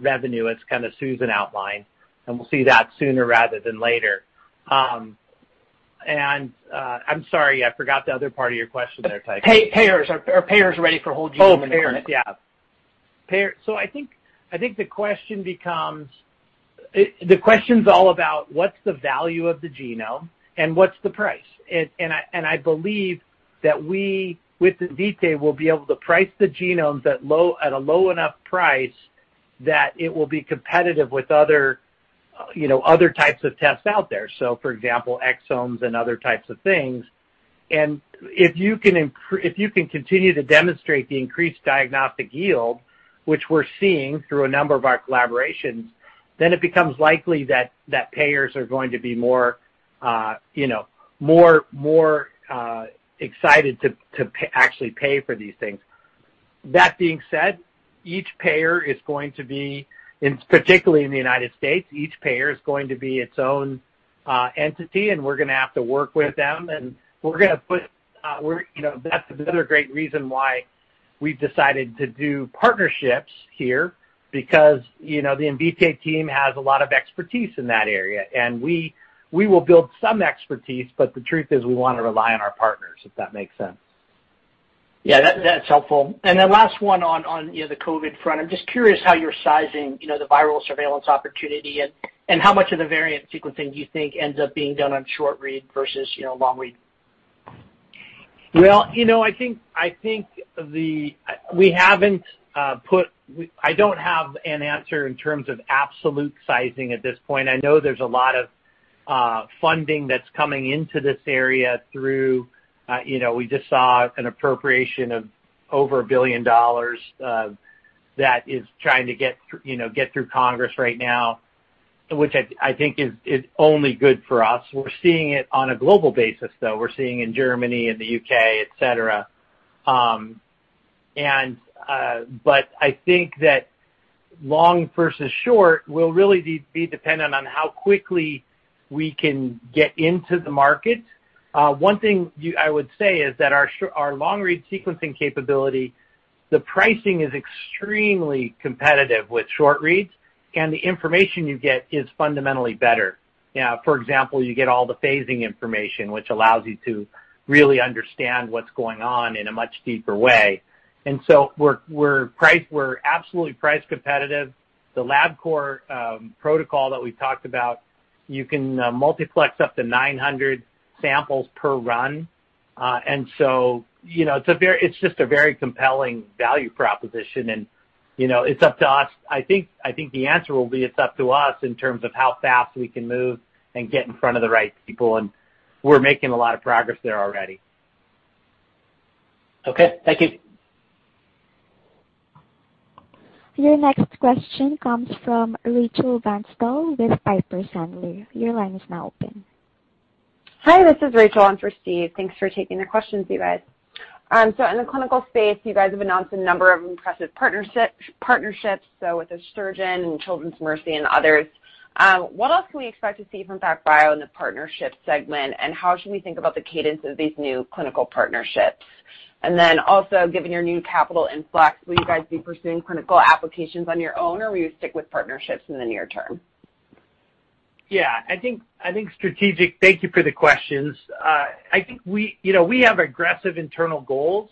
revenue, as kind of Susan outlined, and we'll see that sooner rather than later. I'm sorry, I forgot the other part of your question there, Tycho. Payers. Are payers ready for whole genome in the clinic? Oh, payers. Yeah. I think the question's all about what's the value of the genome and what's the price. I believe that we, with Invitae, will be able to price the genomes at a low enough price that it will be competitive with other types of tests out there. For example, exomes and other types of things. If you can continue to demonstrate the increased diagnostic yield, which we're seeing through a number of our collaborations, then it becomes likely that payers are going to be more excited to actually pay for these things. That being said, each payer is going to be, particularly in the United States, each payer is going to be its own entity. We're going to have to work with them. That's another great reason why we've decided to do partnerships here, because the Invitae team has a lot of expertise in that area. We will build some expertise. The truth is we want to rely on our partners, if that makes sense. Yeah, that's helpful. Last one on the COVID front. I'm just curious how you're sizing the viral surveillance opportunity and how much of the variant sequencing do you think ends up being done on short-read versus long-read? Well, I don't have an answer in terms of absolute sizing at this point. I know there's a lot of funding that's coming into this area through. We just saw an appropriation of over $1 billion that is trying to get through Congress right now, which I think is only good for us. We're seeing it on a global basis, though. We're seeing in Germany and the U.K., et cetera. I think that long versus short will really be dependent on how quickly we can get into the market. One thing I would say is that our long-read sequencing capability, the pricing is extremely competitive with short reads, and the information you get is fundamentally better. For example, you get all the phasing information, which allows you to really understand what's going on in a much deeper way. We're absolutely price competitive. The Labcorp protocol that we talked about, you can multiplex up to 900 samples per run. It's just a very compelling value proposition, and I think the answer will be it's up to us in terms of how fast we can move and get in front of the right people, and we're making a lot of progress there already. Okay, thank you. Your next question comes from Rachel Vatnsdal with Piper Sandler. Your line is now open. Hi, this is Rachel. One for Steve. Thanks for taking the questions, you guys. In the clinical space, you guys have announced a number of impressive partnerships, with Asuragen and Children's Mercy and others. What else can we expect to see from PacBio in the partnership segment, and how should we think about the cadence of these new clinical partnerships? Given your new capital influx, will you guys be pursuing clinical applications on your own, or will you stick with partnerships in the near term? Yeah, thank you for the questions. We have aggressive internal goals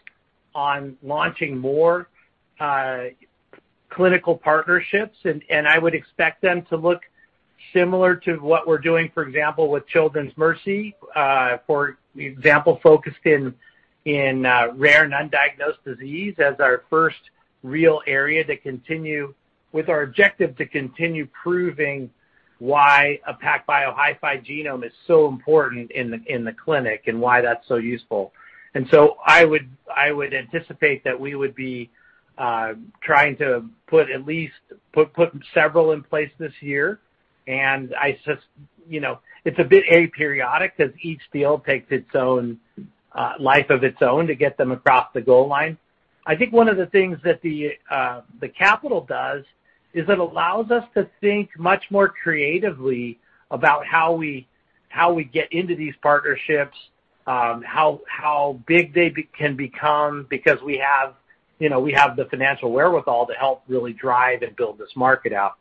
on launching more clinical partnerships, and I would expect them to look similar to what we're doing, for example, with Children's Mercy, for example, focused in rare and undiagnosed disease as our first real area to continue with our objective to continue proving why a PacBio HiFi genome is so important in the clinic and why that's so useful. I would anticipate that we would be trying to put several in place this year. It's a bit aperiodic because each deal takes its own life of its own to get them across the goal line. I think one of the things that the capital does is it allows us to think much more creatively about how we get into these partnerships, how big they can become, because we have the financial wherewithal to help really drive and build this market out.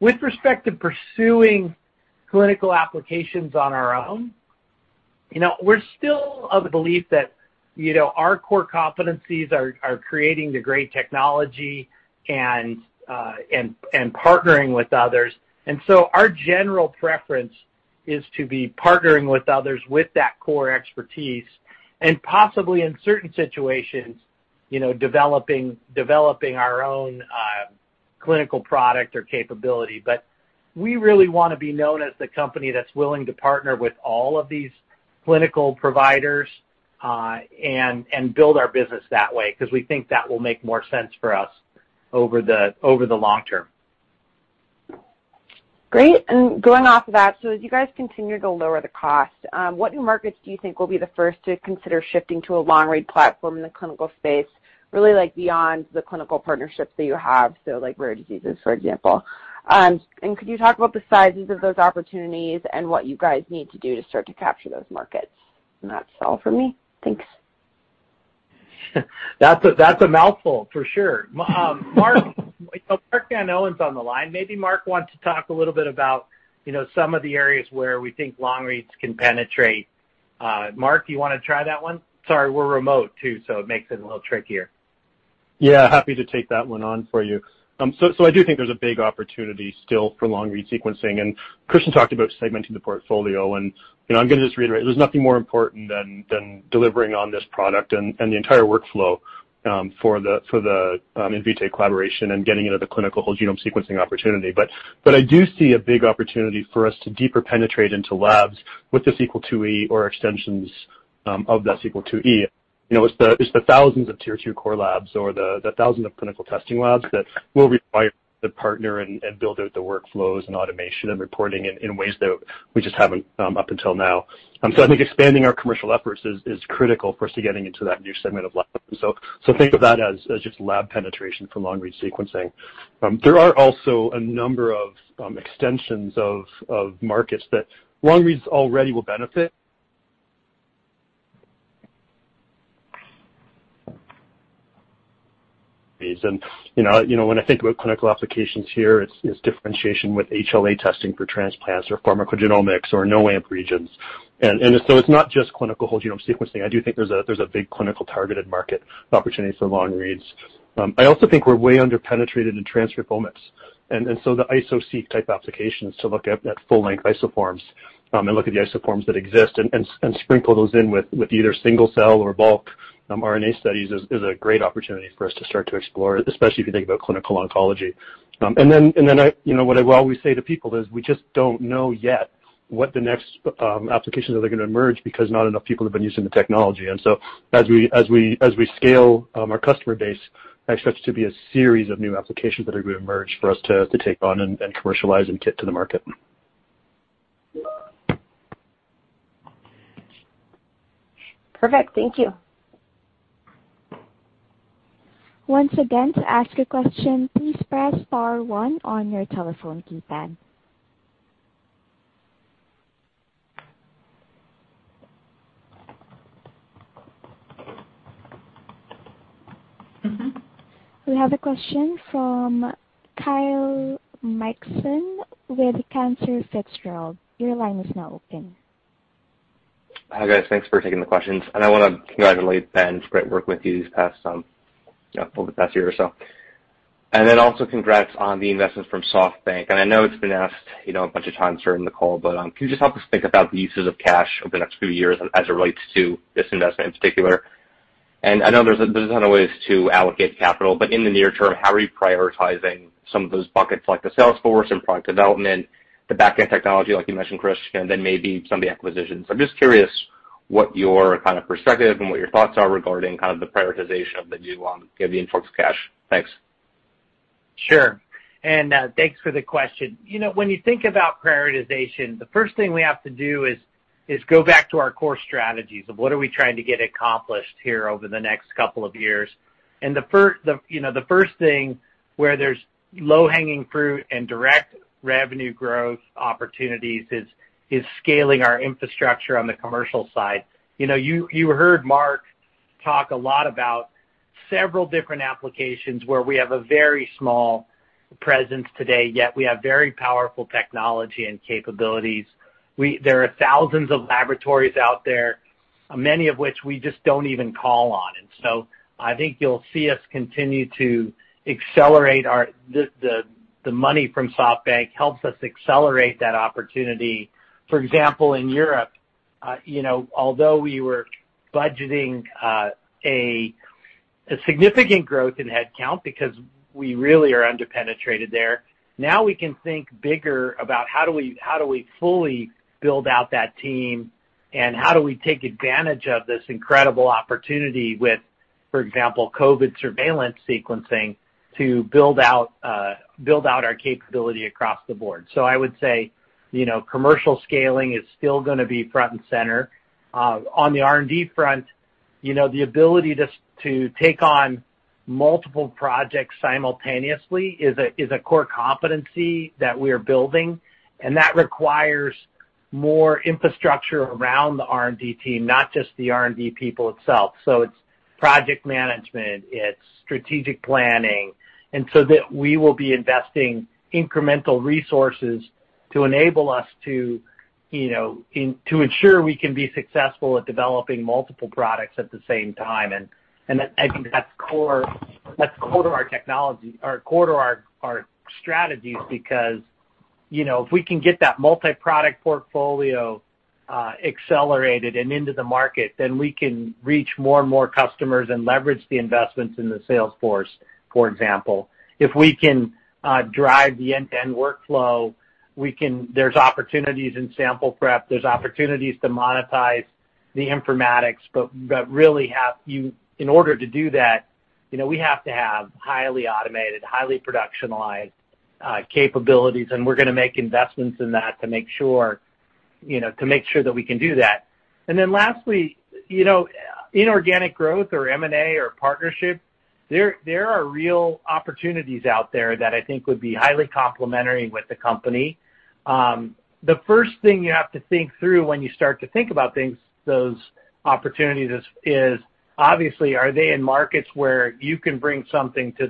With respect to pursuing clinical applications on our own, we're still of the belief that our core competencies are creating the great technology and partnering with others. Our general preference is to be partnering with others with that core expertise and possibly in certain situations, developing our own clinical product or capability. We really want to be known as the company that's willing to partner with all of these clinical providers and build our business that way, because we think that will make more sense for us over the long-term. Great. Going off of that, as you guys continue to lower the cost, what new markets do you think will be the first to consider shifting to a long-read platform in the clinical space, really like beyond the clinical partnerships that you have, so like rare diseases, for example? Could you talk about the sizes of those opportunities and what you guys need to do to start to capture those markets? That's all from me. Thanks. That's a mouthful, for sure. Mark Van Oene's on the line. Maybe Mark wants to talk a little bit about some of the areas where we think long reads can penetrate. Mark, do you want to try that one? Sorry, we're remote too, so it makes it a little trickier. Yeah, happy to take that one on for you. I do think there's a big opportunity still for long-read sequencing. Christian talked about segmenting the portfolio. I'm going to just reiterate, there's nothing more important than delivering on this product and the entire workflow for the Invitae collaboration and getting into the clinical whole genome sequencing opportunity. I do see a big opportunity for us to deeper penetrate into labs with the Sequel IIe or extensions of the Sequel IIe. It's the thousands of Tier 2 core labs or the thousands of clinical testing labs that will require the partner and build out the workflows and automation and reporting in ways that we just haven't up until now. I think expanding our commercial efforts is critical for us to getting into that new segment of labs. Think of that as just lab penetration for long-read sequencing. There are also a number of extensions of markets that long reads already will benefit. When I think about clinical applications here, it's differentiation with HLA testing for transplants or pharmacogenomics or No-Amp regions. It's not just clinical whole genome sequencing. I do think there's a big clinical targeted market opportunity for long reads. I also think we're way under-penetrated in transcriptomics, and so the Iso-Seq type applications to look at full-length isoforms and look at the isoforms that exist and sprinkle those in with either single cell or bulk RNA studies is a great opportunity for us to start to explore, especially if you think about clinical oncology. Then what I will always say to people is we just don't know yet what the next applications that are going to emerge because not enough people have been using the technology. So as we scale our customer base, I expect it to be a series of new applications that are going to emerge for us to take on and commercialize and get to the market. Perfect. Thank you. Once again, to ask a question, please press star one on your telephone keypad. We have a question from Kyle Mikson with Cantor Fitzgerald. Your line is now open. Hi, guys. Thanks for taking the questions. I want to congratulate Ben. Great work with you this past year or so. Also congrats on the investment from SoftBank. I know it's been asked a bunch of times during the call, but can you just help us think about the uses of cash over the next few years as it relates to this investment in particular? I know there's a ton of ways to allocate capital. In the near-term, how are you prioritizing some of those buckets, like the sales force and product development, the backend technology, like you mentioned, Chris, maybe some of the acquisitions. I'm just curious what your kind of perspective and what your thoughts are regarding kind of the prioritization of the influx of cash. Thanks. Sure. Thanks for the question. When you think about prioritization, the first thing we have to do is go back to our core strategies of what are we trying to get accomplished here over the next couple of years. The first thing where there's low-hanging fruit and direct revenue growth opportunities is scaling our infrastructure on the commercial side. You heard Mark talk a lot about several different applications where we have a very small presence today, yet we have very powerful technology and capabilities. There are thousands of laboratories out there, many of which we just don't even call on. I think you'll see us continue to accelerate. The money from SoftBank helps us accelerate that opportunity. For example, in Europe, although we were budgeting a significant growth in headcount because we really are under-penetrated there, now we can think bigger about how do we fully build out that team and how do we take advantage of this incredible opportunity with, for example, COVID surveillance sequencing, to build out our capability across the board. I would say, commercial scaling is still going to be front and center. On the R&D front, the ability to take on multiple projects simultaneously is a core competency that we're building, and that requires more infrastructure around the R&D team, not just the R&D people itself. It's project management, it's strategic planning, and so that we will be investing incremental resources to enable us to ensure we can be successful at developing multiple products at the same time, and I think that's core to our strategies because, if we can get that multi-product portfolio accelerated and into the market, then we can reach more and more customers and leverage the investments in the sales force, for example. If we can drive the end-to-end workflow, there's opportunities in sample prep, there's opportunities to monetize the informatics, but really, in order to do that, we have to have highly automated, highly productionized capabilities, and we're going to make investments in that to make sure that we can do that. Lastly, inorganic growth or M&A or partnership, there are real opportunities out there that I think would be highly complementary with the company. The first thing you have to think through when you start to think about those opportunities is obviously, are they in markets where you can bring something to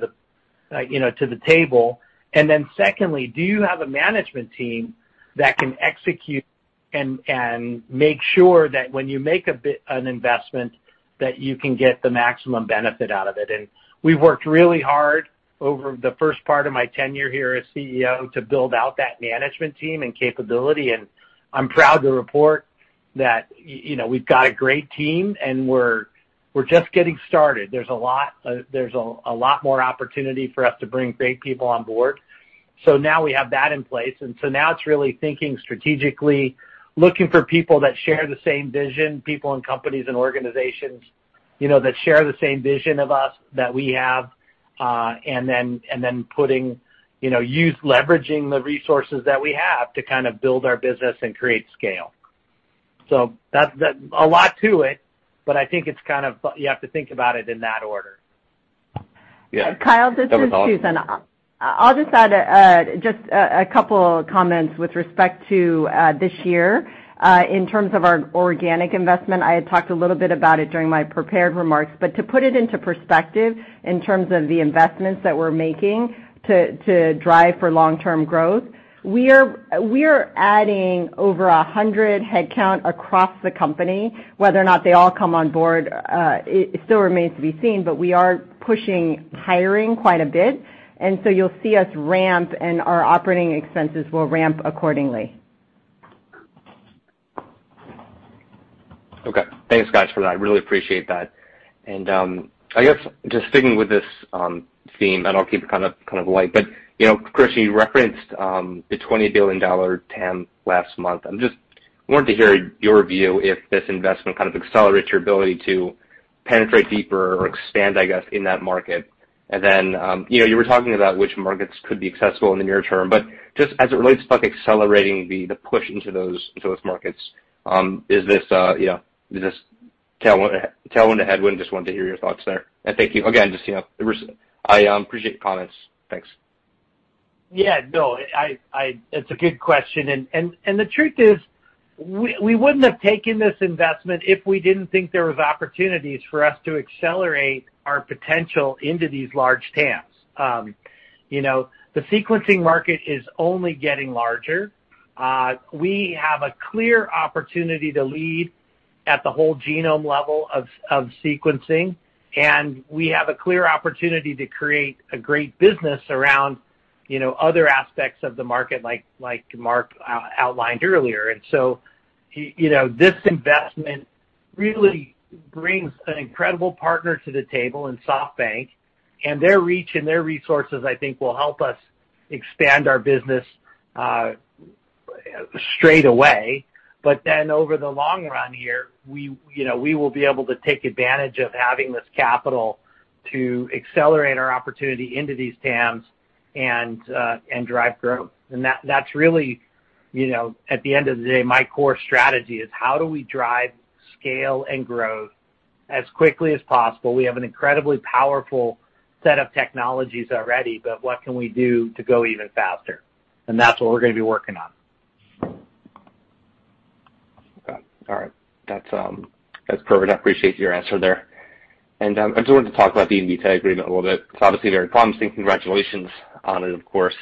the table? Secondly, do you have a management team that can execute and make sure that when you make an investment, that you can get the maximum benefit out of it? We've worked really hard over the first part of my tenure here as CEO to build out that management team and capability, and I'm proud to report that we've got a great team and we're just getting started. There's a lot more opportunity for us to bring great people on board. Now we have that in place, it's really thinking strategically, looking for people that share the same vision, people in companies and organizations that share the same vision of us that we have, leveraging the resources that we have to kind of build our business and create scale. That's a lot to it, but I think you have to think about it in that order. Yeah. Kyle, this is Susan. That was all. I'll just add just a couple of comments with respect to this year. In terms of our organic investment, I had talked a little bit about it during my prepared remarks, but to put it into perspective in terms of the investments that we're making to drive for long-term growth, we are adding over 100 headcount across the company. Whether or not they all come on board, it still remains to be seen, but we are pushing hiring quite a bit, and so you'll see us ramp, and our operating expenses will ramp accordingly. Okay. Thanks, guys, for that. I really appreciate that. I guess just sticking with this theme, I'll keep it kind of light, Chris, you referenced the $20 billion TAM last month. I just wanted to hear your view if this investment kind of accelerates your ability to penetrate deeper or expand, I guess, in that market. You were talking about which markets could be accessible in the near term, just as it relates to accelerating the push into those markets, is this tailwind or headwind? Just wanted to hear your thoughts there. Thank you again, just I appreciate the comments. Thanks. Yeah, no, it's a good question. The truth is, we wouldn't have taken this investment if we didn't think there was opportunities for us to accelerate our potential into these large TAMs. The sequencing market is only getting larger. We have a clear opportunity to lead at the whole genome level of sequencing, and we have a clear opportunity to create a great business around other aspects of the market, like Mark outlined earlier. This investment really brings an incredible partner to the table, in SoftBank, and their reach and their resources, I think, will help us expand our business straight away. Over the long run here, we will be able to take advantage of having this capital to accelerate our opportunity into these TAMs and drive growth. That's really, at the end of the day, my core strategy, is how do we drive scale and growth as quickly as possible? We have an incredibly powerful set of technologies already, but what can we do to go even faster? That's what we're going to be working on. Okay. All right. That's perfect. I appreciate your answer there. I just wanted to talk about the Invitae agreement a little bit. It's obviously very promising. Congratulations on it, of course.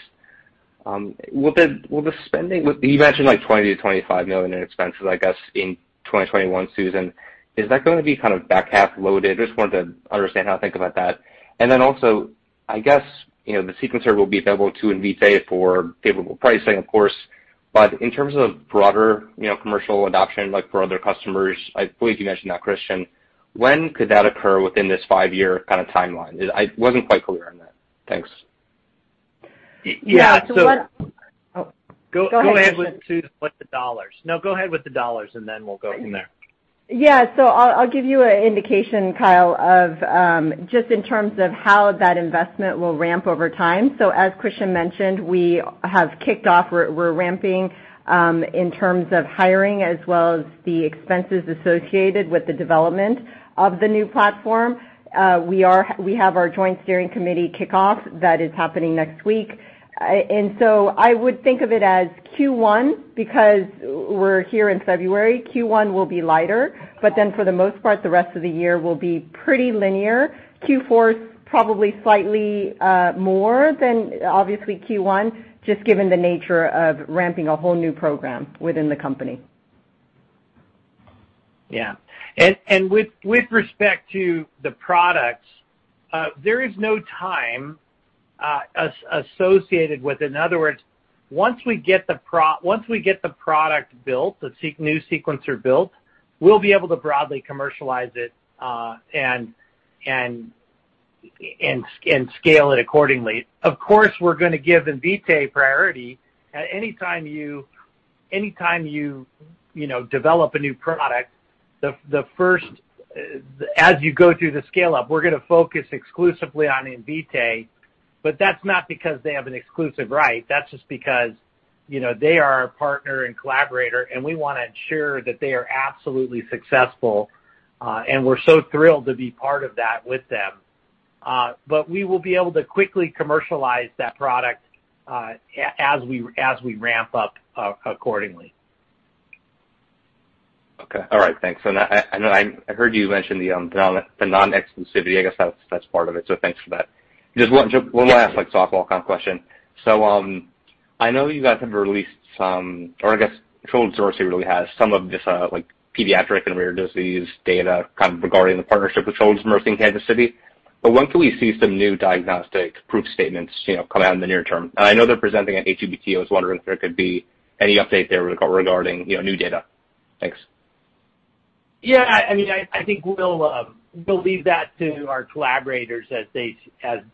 With the spending, you mentioned like $20 million-$25 million in expenses, I guess, in 2021, Susan. Is that going to be kind of back-half loaded? I just wanted to understand how to think about that. Also, I guess, the sequencer will be available to Invitae for favorable pricing, of course. In terms of broader commercial adoption, like for other customers, I believe you mentioned that, Christian, when could that occur within this five-year kind of timeline? I wasn't quite clear on that. Thanks. Yeah. Yeah. Go- Go ahead. Go ahead with Sue with the dollars. No, go ahead with the dollars, and then we'll go from there. Yeah. I'll give you an indication, Kyle, of just in terms of how that investment will ramp over time. As Christian mentioned, we have kicked off, we're ramping, in terms of hiring as well as the expenses associated with the development of the new platform. We have our joint steering committee kickoff that is happening next week. I would think of it as Q1, because we're here in February, Q1 will be lighter, but then for the most part, the rest of the year will be pretty linear. Q4 is probably slightly more than, obviously, Q1, just given the nature of ramping a whole new program within the company. Yeah. With respect to the products, there is no time associated with it. In other words, once we get the product built, the new sequencer built, we'll be able to broadly commercialize it, and scale it accordingly. Of course, we're going to give Invitae priority. Anytime you develop a new product, as you go through the scale-up, we're going to focus exclusively on Invitae, but that's not because they have an exclusive right, that's just because they are our partner and collaborator, and we want to ensure that they are absolutely successful, and we're so thrilled to be part of that with them. We will be able to quickly commercialize that product as we ramp up accordingly. Okay. All right. Thanks. I heard you mention the non-exclusivity, I guess that's part of it, so thanks for that. Just one last like softball kind of question. I know you guys have released some, or I guess, Children's Mercy really has some of this like pediatric and rare disease data kind of regarding the partnership with Children's Mercy in Kansas City, but when can we see some new diagnostic proof statements come out in the near-term? I know they're presenting at ASHG, I was wondering if there could be any update there regarding new data. Thanks. Yeah, I think we'll leave that to our collaborators. We don't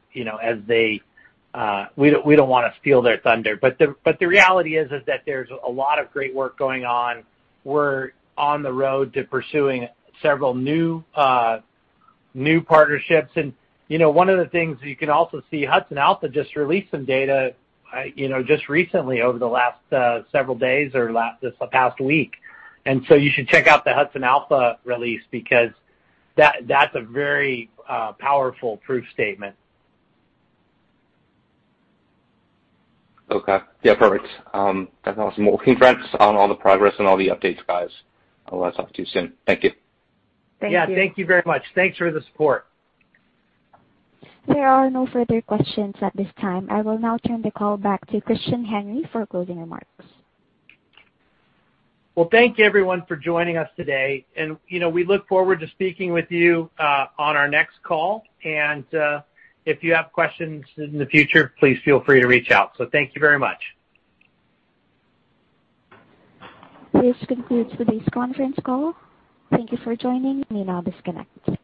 want to steal their thunder. The reality is that there's a lot of great work going on. We're on the road to pursuing several new partnerships. One of the things you can also see, HudsonAlpha just released some data just recently over the last several days or this past week. You should check out the HudsonAlpha release because that's a very powerful proof statement. Okay. Yeah, perfect. That's awesome. Well, congrats on all the progress and all the updates, guys. I'll talk to you soon. Thank you. Thank you. Yeah, thank you very much. Thanks for the support. There are no further questions at this time. I will now turn the call back to Christian Henry for closing remarks. Well, thank you everyone for joining us today, and we look forward to speaking with you on our next call. If you have questions in the future, please feel free to reach out. Thank you very much. This concludes today's conference call. Thank you for joining. You may now disconnect.